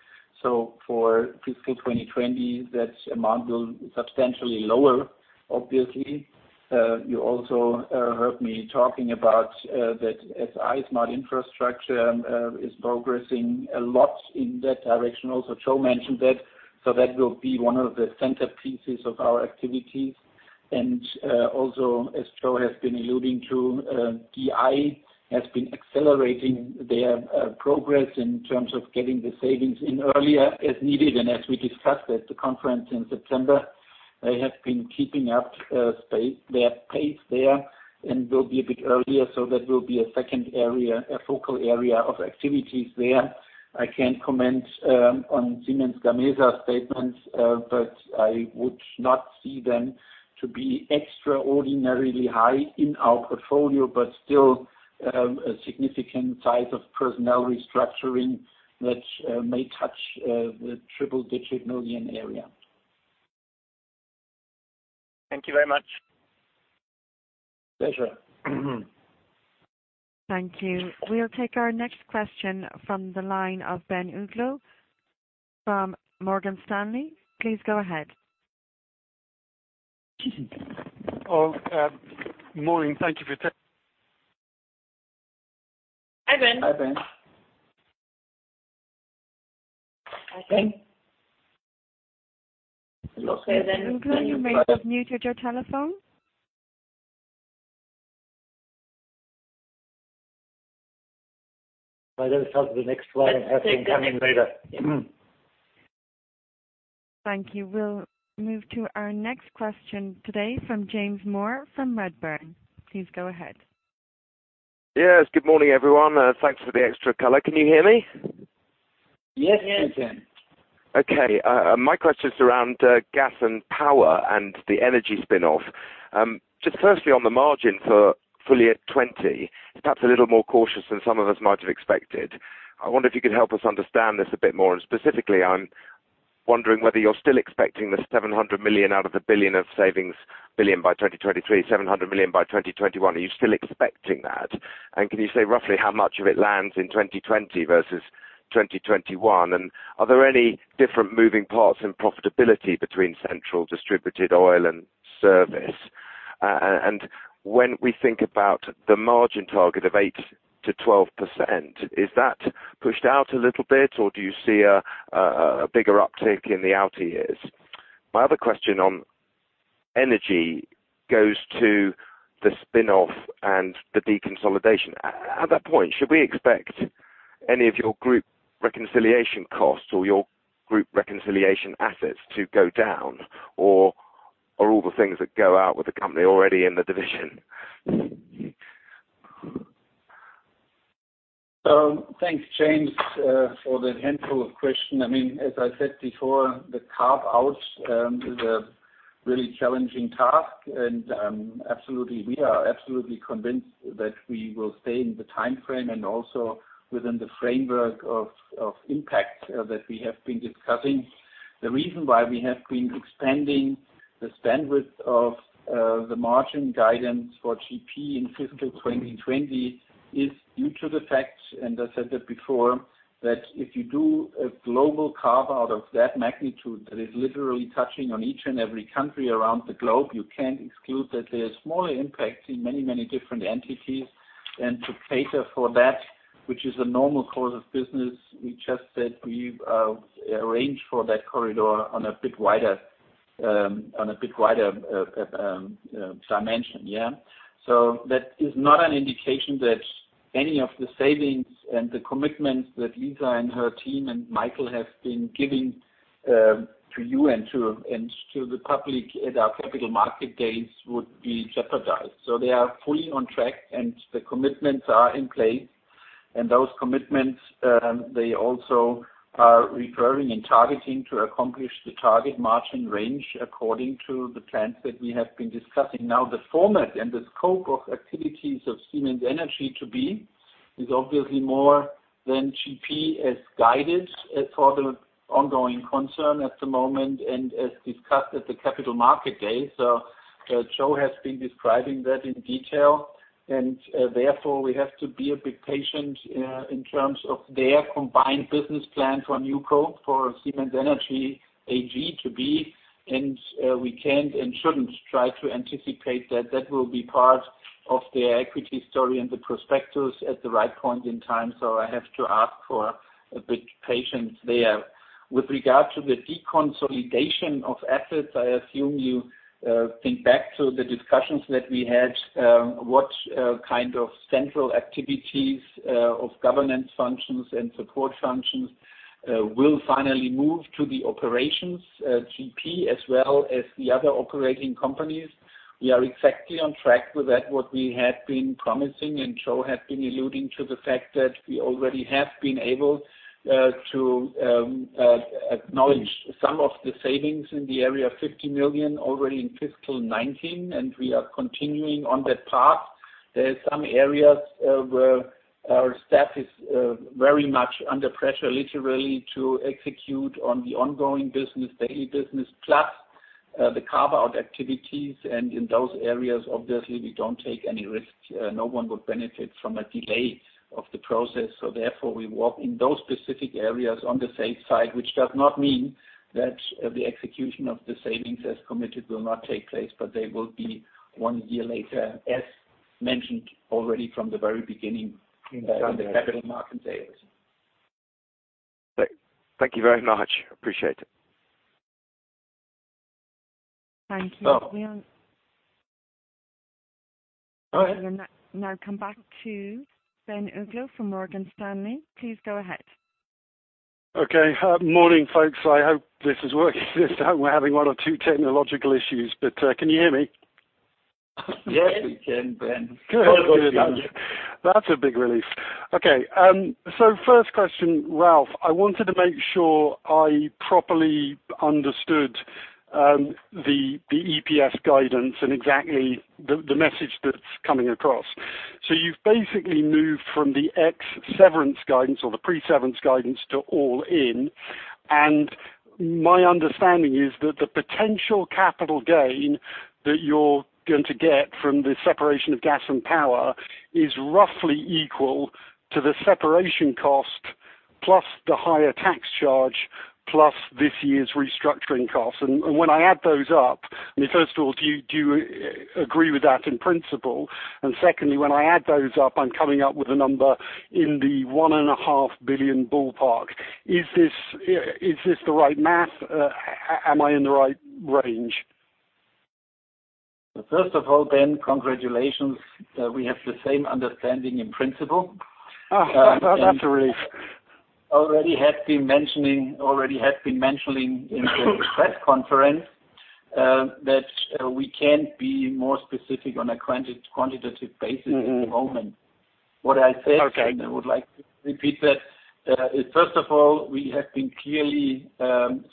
For fiscal 2020, that amount will be substantially lower, obviously. You also heard me talking about that SI, Smart Infrastructure, is progressing a lot in that direction also. Joe mentioned that. That will be one of the centerpieces of our activities. Also, as Joe has been alluding to, DI has been accelerating their progress in terms of getting the savings in earlier as needed. As we discussed at the conference in September, they have been keeping up their pace there, and will be a bit earlier. That will be a second focal area of activities there. I can't comment on Siemens Gamesa statements, but I would not see them to be extraordinarily high in our portfolio, but still a significant size of personnel restructuring that may touch the EUR triple-digit million area. Thank you very much. Pleasure. Thank you. We'll take our next question from the line of Ben Uglow from Morgan Stanley. Please go ahead. Morning. Thank you for- Hi, Ben. Hi, Ben. Ben Uglow, you may have muted your telephone. It's on to the next line. Have him come in later. Thank you. We'll move to our next question today from James Moore from Redburn. Please go ahead. Yes. Good morning, everyone. Thanks for the extra color. Can you hear me? Yes, James. Okay. My question is around Gas and Power and the Siemens Energy spinoff. Firstly, on the margin for full-year 2020, it's perhaps a little more cautious than some of us might have expected. I wonder if you could help us understand this a bit more. Specifically, I'm wondering whether you're still expecting the 700 million out of 1 billion of savings, 1 billion by 2023, 700 million by 2021. Are you still expecting that? Can you say roughly how much of it lands in 2020 versus 2021? Are there any different moving parts in profitability between central distributed oil and service? When we think about the margin target of 8%-12%, is that pushed out a little bit, or do you see a bigger uptick in the outer years? My other question on Siemens Energy goes to the spinoff and the deconsolidation. At that point, should we expect any of your group reconciliation costs or your group reconciliation assets to go down, or are all the things that go out with the company already in the division? Thanks, James, for the handful of question. As I said before, the carve-out is a really challenging task, and we are absolutely convinced that we will stay in the timeframe and also within the framework of impact that we have been discussing. The reason why we have been expanding the bandwidth of the margin guidance for GP in fiscal 2020 is due to the fact, and I said that before, that if you do a global carve-out of that magnitude that is literally touching on each and every country around the globe, you can't exclude that there's smaller impacts in many different entities. To cater for that, which is a normal course of business, we just said we've arranged for that corridor on a bit wider dimension. That is not an indication that any of the savings and the commitments that Lisa and her team and Michael have been giving to you and to the public at our Capital Market Days would be jeopardized. They are fully on track, and the commitments are in place. Those commitments, they also are recurring and targeting to accomplish the target margin range according to the plans that we have been discussing. The format and the scope of activities of Siemens Energy to be is obviously more than GP has guided for the ongoing concern at the moment and as discussed at the Capital Market Day. Joe has been describing that in detail. Therefore, we have to be a bit patient in terms of their combined business plan for a NewCo, for Siemens Energy AG to be. We can't and shouldn't try to anticipate that. That will be part of their equity story and the prospectus at the right point in time. I have to ask for a bit of patience there. With regard to the deconsolidation of assets, I assume you think back to the discussions that we had, what kind of central activities of governance functions and support functions will finally move to the operations GP as well as the other operating companies. We are exactly on track with that, what we had been promising. Joe has been alluding to the fact that we already have been able to acknowledge some of the savings in the area of 50 million already in fiscal 2019, and we are continuing on that path. There are some areas where our staff is very much under pressure, literally, to execute on the ongoing business, daily business, plus the carve-out activities. In those areas, obviously, we don't take any risks. No one would benefit from a delay of the process. Therefore, we walk in those specific areas on the safe side, which does not mean that the execution of the savings as committed will not take place, but they will be one year later, as mentioned already from the very beginning in the Capital Market Day. Thank you very much. Appreciate it. Thank you. We'll now come back to Ben Uglow from Morgan Stanley. Please go ahead. Okay. Morning, folks. I hope this is working this time. We're having one or two technological issues. Can you hear me? Yes, we can, Ben. Good. That's a big relief. Okay. First question, Ralf, I wanted to make sure I properly understood the EPS guidance and exactly the message that's coming across. My understanding is that the potential capital gain that you're going to get from the separation of Gas and Power is roughly equal to the separation cost, plus the higher tax charge, plus this year's restructuring costs. When I add those up, first of all, do you agree with that in principle? Secondly, when I add those up, I'm coming up with a number in the 1.5 billion ballpark. Is this the right math? Am I in the right range? First of all, Ben, congratulations. We have the same understanding in principle. That's a relief. Already have been mentioning in the press conference that we can't be more specific on a quantitative basis at the moment. Okay I would like to repeat that is, first of all, we have been clearly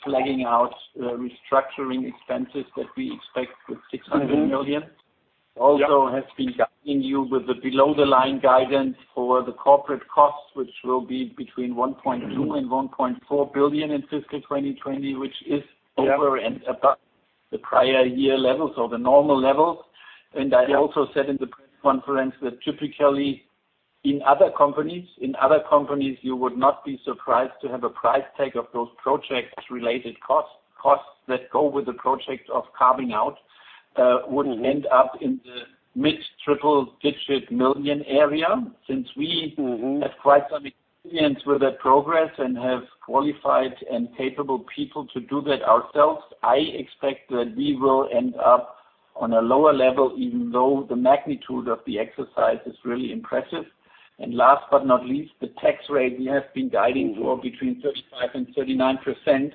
flagging out restructuring expenses that we expect with 600 million. Mm-hmm. Yep. Also have been guiding you with the below the line guidance for the corporate costs, which will be between 1.2 billion and 1.4 billion in fiscal 2020, which is over and above the prior-year levels or the normal levels. I also said in the press conference that typically in other companies, you would not be surprised to have a price tag of those projects related costs that go with the project of carve-out, would end up in the mid-triple-digit million area. Since we have quite some experience with that progress and have qualified and capable people to do that ourselves, I expect that we will end up on a lower level, even though the magnitude of the exercise is really impressive. Last but not least, the tax rate we have been guiding for between 35% and 39%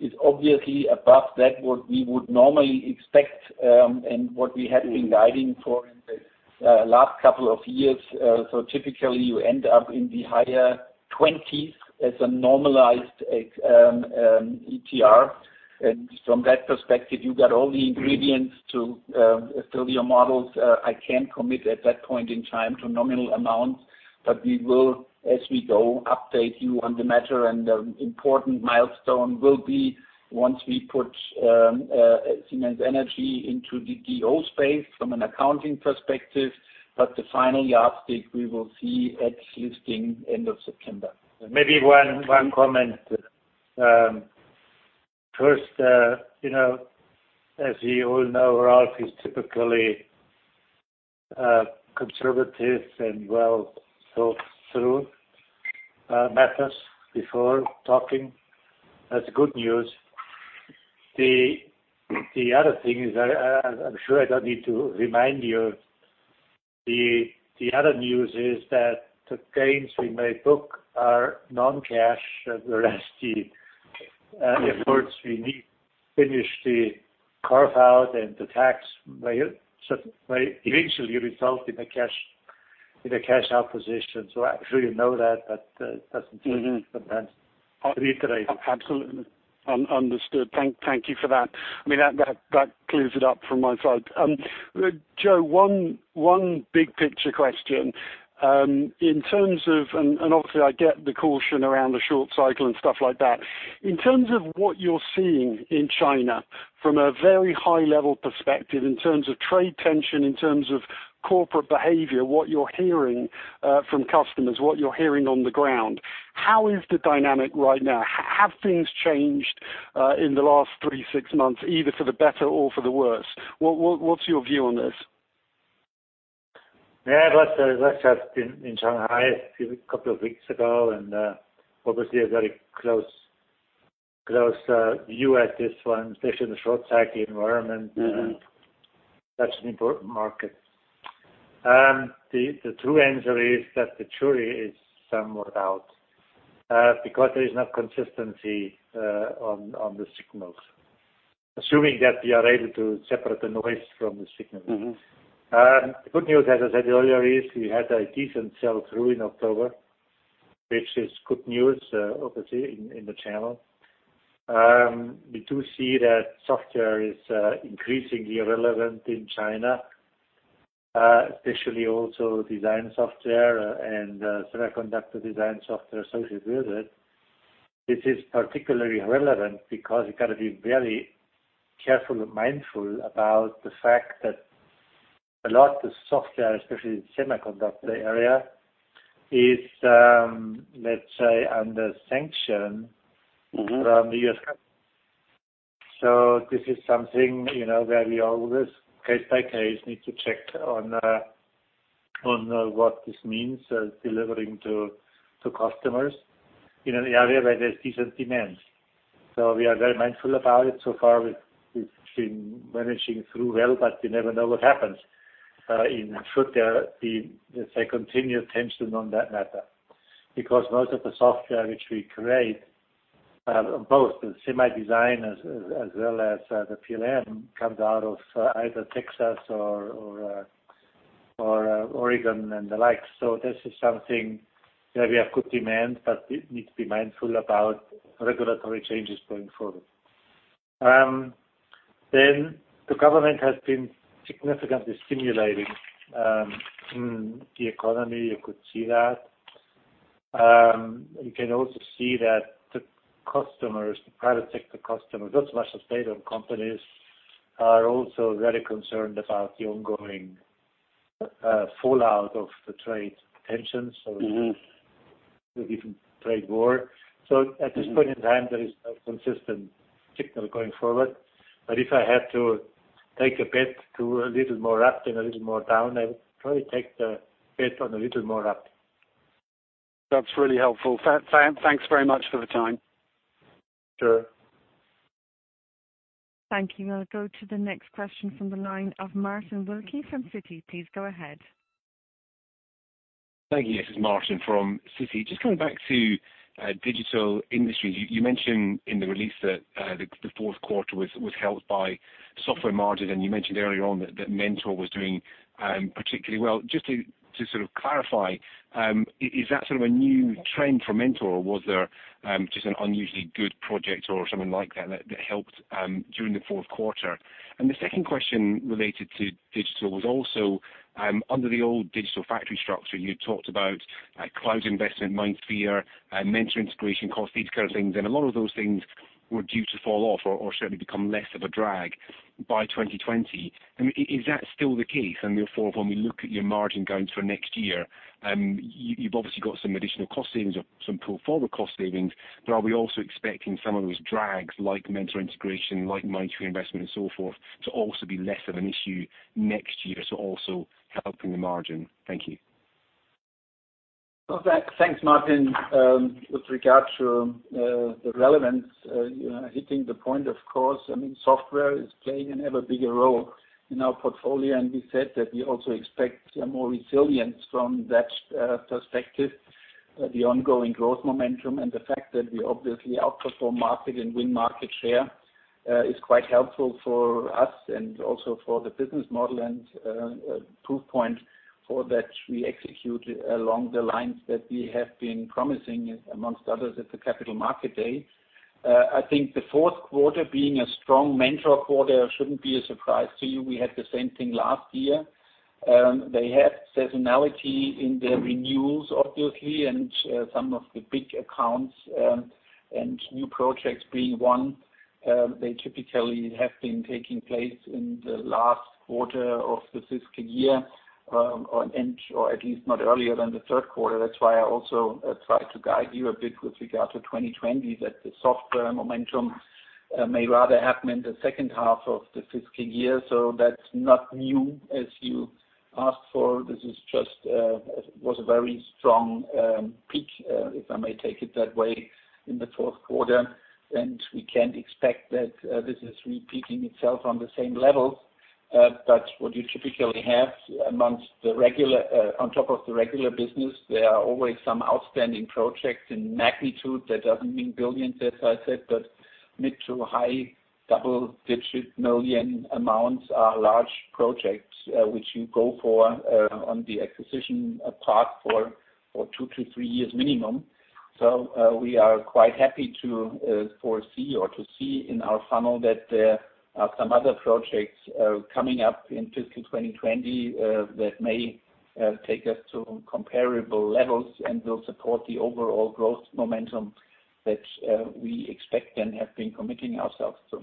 is obviously above that what we would normally expect and what we had been guiding for in the last couple of years. Typically, you end up in the higher 20s as a normalized ETR. From that perspective, you got all the ingredients to fill your models. I can't commit at that point in time to nominal amounts. We will, as we go, update you on the matter, and an important milestone will be once we put Siemens Energy into the DO space from an accounting perspective. The final yardstick we will see at listing end of September. Maybe one comment. First, as you all know, Ralf is typically conservative and well thought through matters before talking. That's good news. The other thing is, I'm sure I don't need to remind you. The other news is that the gains we may book are non-cash. The rest, the efforts we need finish the carve-out and the tax may eventually result in a cash out position. I'm sure you know that, but that's important to reiterate. Absolutely. Understood. Thank you for that. That clears it up from my side. Joe, one big picture question. In terms of, and obviously I get the caution around the short cycle and stuff like that. In terms of what you're seeing in China from a very high level perspective, in terms of trade tension, in terms of corporate behavior, what you're hearing from customers, what you're hearing on the ground. How is the dynamic right now? Have things changed in the last three, six months, either for the better or for the worse? What's your view on this? Yeah, Ralf has been in Shanghai a couple of weeks ago, and obviously a very close view at this one, especially in the short cycle environment. That's an important market. The true answer is that it truly is somewhat out. There is no consistency on the signals, assuming that we are able to separate the noise from the signals. Good news, as I said earlier, is we had a decent sell-through in October, which is good news, obviously, in the channel. We do see that software is increasingly relevant in China, especially also design software and semiconductor design software associated with it. This is particularly relevant because you've got to be very careful and mindful about the fact that a lot of the software, especially in the semiconductor area, is, let's say, under sanction from the U.S. government. This is something where we always, case by case, need to check on what this means delivering to customers in an area where there's decent demand. We are very mindful about it. So far, we've been managing through well, but you never know what happens. In short, there will be, let's say, continued tension on that matter. Most of the software which we create, both the semi design as well as the PLM, comes out of either Texas or Oregon and the like. This is something where we have good demand, but we need to be mindful about regulatory changes going forward. The government has been significantly stimulating the economy. You could see that. You can also see that the customers, the private sector customers, not so much the state-owned companies, are also very concerned about the ongoing fallout of the trade tensions or even trade war. At this point in time, there is no consistent signal going forward. If I had to take a bet to a little more up than a little more down, I would probably take the bet on a little more up. That's really helpful. Thanks very much for the time. Sure. Thank you. We'll go to the next question from the line of Martin Wilkie from Citi. Please go ahead. Thank you. This is Martin from Citi. Coming back to Digital Industries, you mentioned in the release that the fourth quarter was helped by software margins, and you mentioned earlier on that Mentor was doing particularly well. Just to clarify, is that sort of a new trend for Mentor? Was there just an unusually good project or something like that helped during the fourth quarter? The second question related to Digital was also, under the old Digital Factory structure, you talked about cloud investment, MindSphere, Mentor integration costs, these kind of things. A lot of those things were due to fall off or certainly become less of a drag by 2020. Is that still the case? Therefore, when we look at your margin going to next year, you've obviously got some additional cost savings or some portfolio cost savings, but are we also expecting some of those drags like Mentor integration, like MindSphere investment and so forth, to also be less of an issue next year, so also helping the margin? Thank you. Thanks, Martin. With regards to the relevance, hitting the point, of course, software is playing an ever bigger role in our portfolio. We said that we also expect more resilience from that perspective. The ongoing growth momentum and the fact that we obviously outperform market and win market share is quite helpful for us and also for the business model and proof point for that we execute along the lines that we have been promising, amongst others, at the Capital Market Day. I think the fourth quarter being a strong Mentor quarter shouldn't be a surprise to you. We had the same thing last year. They have seasonality in their renewals, obviously, and some of the big accounts and new projects being won, they typically have been taking place in the last quarter of the fiscal year, or at least not earlier than the third quarter. That's why I also try to guide you a bit with regard to 2020, that the software momentum may rather happen in the second half of the fiscal year. That's not new as you asked for. This just was a very strong peak, if I may take it that way, in the fourth quarter, and we can't expect that this is repeating itself on the same levels. That's what you typically have on top of the regular business. There are always some outstanding projects in magnitude. That doesn't mean billions, as I said, but mid to high double-digit million amounts are large projects, which you go for on the acquisition part for two to three years minimum. We are quite happy to foresee or to see in our funnel that there are some other projects coming up in fiscal 2020 that may take us to comparable levels and will support the overall growth momentum that we expect and have been committing ourselves to.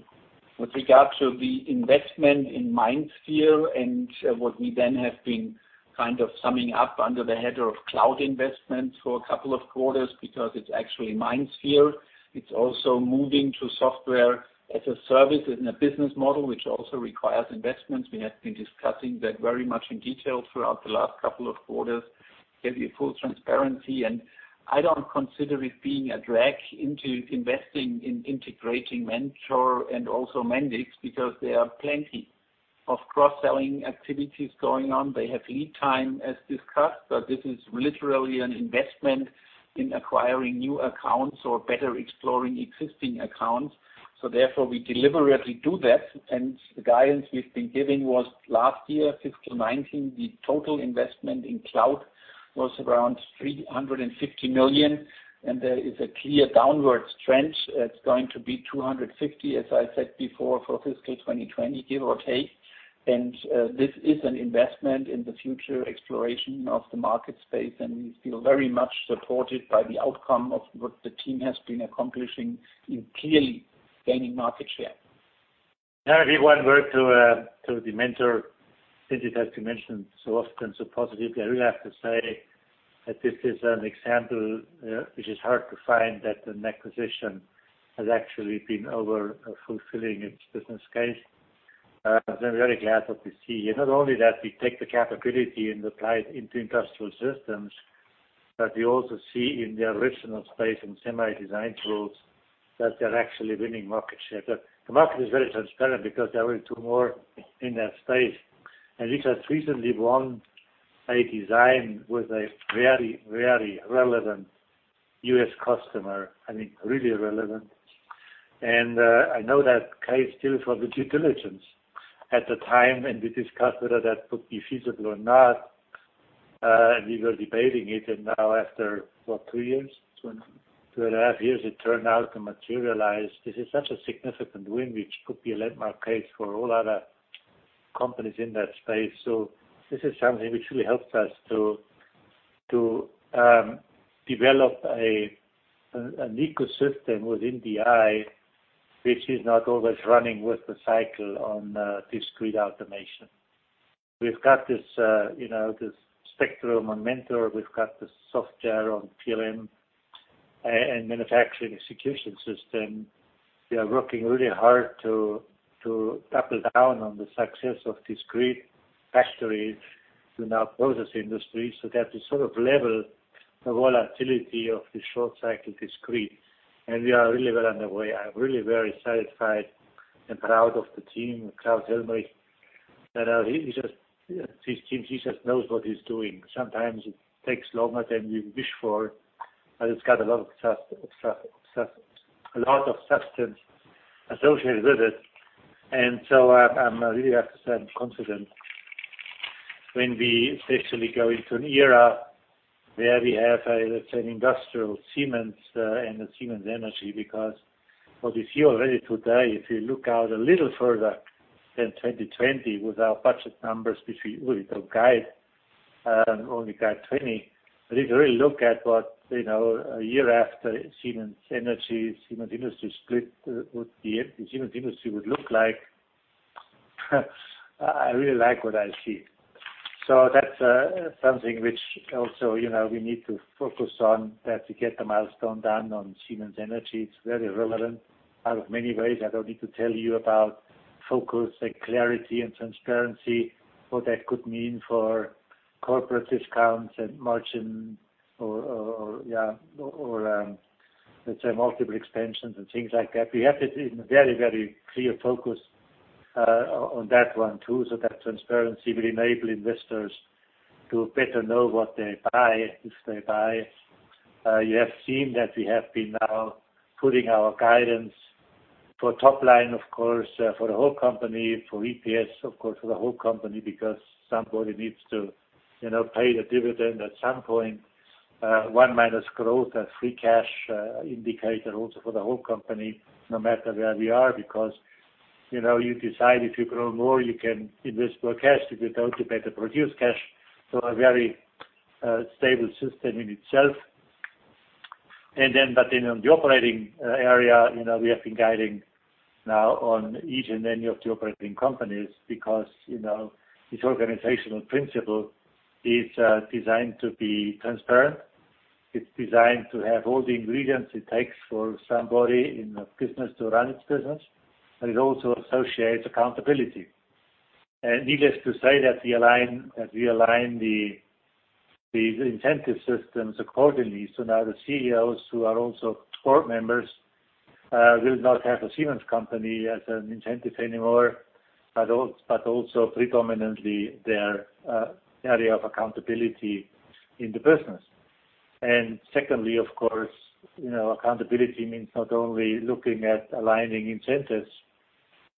With regard to the investment in MindSphere and what we then have been summing up under the header of cloud investment for a couple of quarters, because it's actually MindSphere. It's also moving to software-as-a-service in a business model, which also requires investments. We have been discussing that very much in detail throughout the last couple of quarters, giving you full transparency. I don't consider it being a drag into investing in integrating Mentor and also Mendix, because there are plenty of cross-selling activities going on. They have lead time, as discussed, but this is literally an investment in acquiring new accounts or better exploring existing accounts. Therefore, we deliberately do that, and the guidance we've been giving was last year, fiscal 2019, the total investment in cloud was around 350 million, and there is a clear downwards trend. It's going to be 250, as I said before, for fiscal 2020, give or take. This is an investment in the future exploration of the market space, and we feel very much supported by the outcome of what the team has been accomplishing in clearly gaining market share. Can I give one word to the Mentor? Since it has been mentioned so often so positively, I really have to say that this is an example which is hard to find, that an acquisition has actually been overfulfilling its business case. I'm very glad that we see here, not only that we take the capability and apply it into industrial systems, but we also see in the original space in semi design tools that they're actually winning market share. The market is very transparent because there are only two more in that space. We just recently won a design with a very relevant U.S. customer. I mean, really relevant. I know that Kai still for the due diligence at the time, and we discussed whether that would be feasible or not. We were debating it, now after what, two years? Two and a half. Two and a half years, it turned out to materialize. This is such a significant win, which could be a landmark case for all other companies in that space. This is something which really helps us to develop an ecosystem within DI, which is not always running with the cycle on discrete automation. We've got this spectrum on Mentor. We've got the software on PLM and manufacturing execution system. We are working really hard to double down on the success of discrete factories to now process industry so that the sort of level The volatility of the short cycle discrete, and we are really well on the way. I'm really very satisfied and proud of the team, Klaus Helmrich. He just knows what he's doing. Sometimes it takes longer than we wish for, but it's got a lot of substance associated with it. I really have to say I'm confident when we basically go into an era where we have, let's say, an industrial Siemens and a Siemens Energy, because what we see already today, if you look out a little further than 2020 with our budget numbers, which we will guide only guide 2020. If you really look at what a year after Siemens Energy, Siemens Industry split, what the Siemens Industry would look like, I really like what I see. That's something which also, we need to focus on that to get the milestone done on Siemens Energy. It's very relevant out of many ways. I don't need to tell you about focus and clarity and transparency, what that could mean for corporate discounts and margin or, let's say, multiple expansions and things like that. We have this very clear focus on that one too, that transparency will enable investors to better know what they buy, if they buy. You have seen that we have been now putting our guidance for top line, of course, for the whole company, for EPS, of course, for the whole company, because somebody needs to pay the dividend at some point. One minus growth and free cash indicator also for the whole company, no matter where we are, because you decide if you grow more, you can invest more cash. If you don't, you better produce cash. A very stable system in itself. In the operating area, we have been guiding now on each and any of the operating companies because this organizational principle is designed to be transparent. It's designed to have all the ingredients it takes for somebody in a business to run its business. It also associates accountability. Needless to say that we align the incentive systems accordingly. Now the CEOs, who are also board members, will not have a Siemens company as an incentive anymore, but also predominantly their area of accountability in the business. Secondly, of course, accountability means not only looking at aligning incentives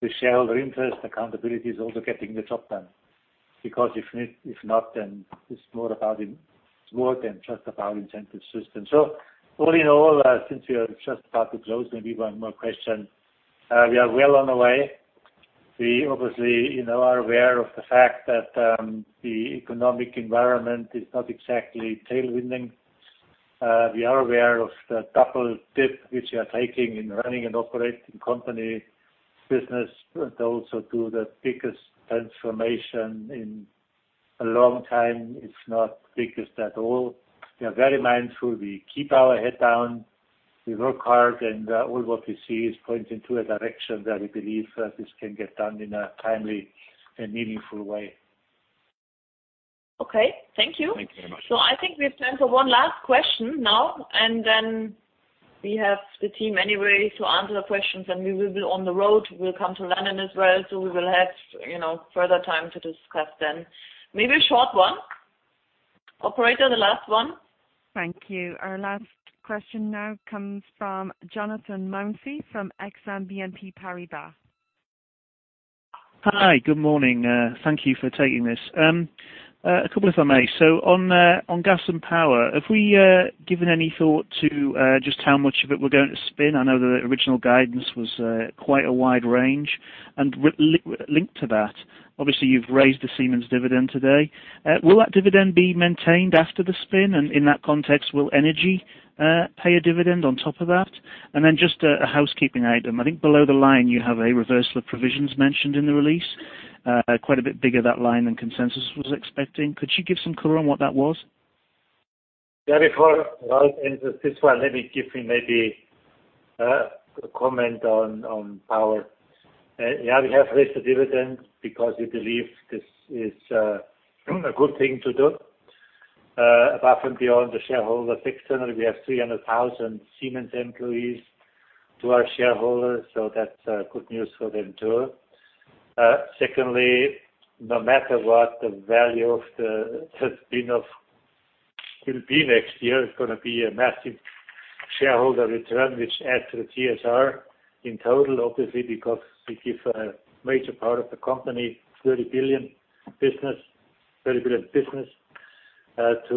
with shareholder interest, accountability is also getting the job done. If not, then it's more than just about incentive system. All in all, since we are just about to close, maybe one more question. We are well on our way. We obviously are aware of the fact that the economic environment is not exactly tailwind. We are aware of the double dip which we are taking in running and operating company business, but also do the biggest transformation in a long time. It's not biggest at all. We are very mindful. We keep our head down. We work hard, and all what we see is pointing to a direction that we believe this can get done in a timely and meaningful way. Okay. Thank you. Thank you very much. I think we have time for one last question now, and then we have the team anyway to answer the questions, and we will be on the road. We'll come to London as well, so we will have further time to discuss then. Maybe a short one. Operator, the last one. Thank you. Our last question now comes from Jonathan Mounsey from Exane BNP Paribas. Hi. Good morning. Thank you for taking this. A couple if I may. On Gas and Power, have we given any thought to just how much of it we're going to spin? I know the original guidance was quite a wide range. Linked to that, obviously, you've raised the Siemens dividend today. Will that dividend be maintained after the spin? In that context, will Energy pay a dividend on top of that? Just a housekeeping item. I think below the line you have a reversal of provisions mentioned in the release, quite a bit bigger that line than consensus was expecting. Could you give some color on what that was? Before Ralf answers this one, let me give you maybe a comment on power. We have raised the dividend because we believe this is a good thing to do. Apart from beyond the shareholder fix. We have 300,000 Siemens employees to our shareholders, so that's good news for them, too. Secondly, no matter what the value of the spin-off will be next year, it's going to be a massive shareholder return, which adds to the TSR in total, obviously, because we give a major part of the company, 30 billion business to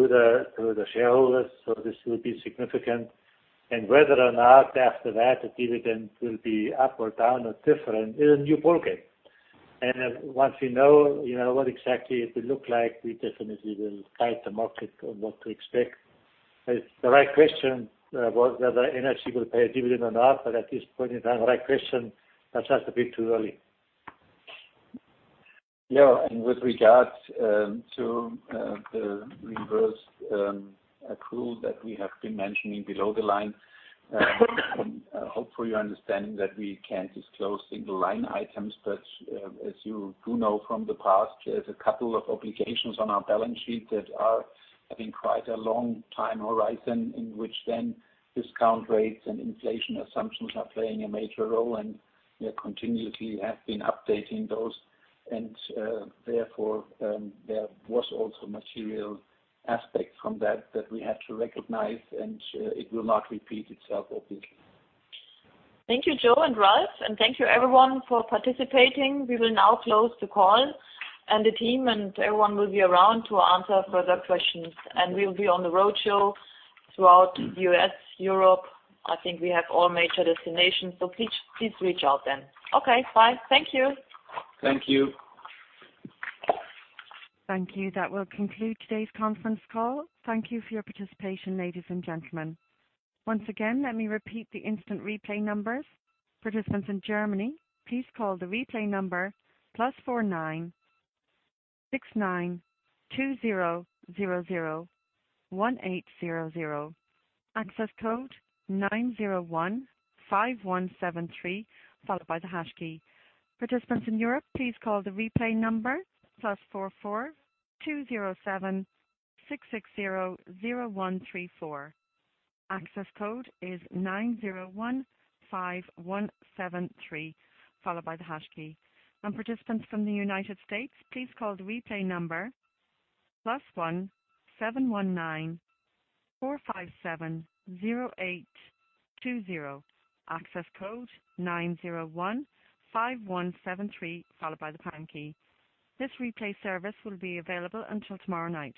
the shareholders. This will be significant. Whether or not after that, the dividend will be up or down or different is a new ballgame. Once we know what exactly it will look like, we definitely will guide the market on what to expect. It's the right question, whether Siemens Energy will pay a dividend or not. At this point in time, that's just a bit too early. Yeah. With regards to the reverse accrual that we have been mentioning below the line, hopefully you understand that we can't disclose single line items. As you do know from the past, there's a couple of obligations on our balance sheet that are having quite a long time horizon in which then discount rates and inflation assumptions are playing a major role, and we continuously have been updating those. Therefore, there was also material aspects from that that we had to recognize, and it will not repeat itself, obviously. Thank you, Joe and Ralf, and thank you everyone for participating. We will now close the call, and the team and everyone will be around to answer further questions. We'll be on the roadshow throughout U.S., Europe. I think we have all major destinations. Please reach out then. Okay, bye. Thank you. Thank you. Thank you. That will conclude today's conference call. Thank you for your participation, ladies and gentlemen. Once again, let me repeat the instant replay numbers. Participants in Germany, please call the replay number +496920001800, access code 9015173, followed by the hash key. Participants in Europe, please call the replay number +442076600134. Access code is 9015173, followed by the hash key. Participants from the U.S., please call the replay number +17194570820, access code 9015173, followed by the pound key. This replay service will be available until tomorrow night.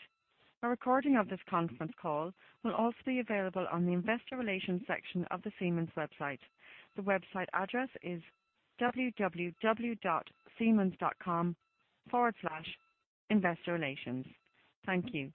A recording of this conference call will also be available on the investor relations section of the Siemens website. The website address is www.siemens.com/investorrelations. Thank you.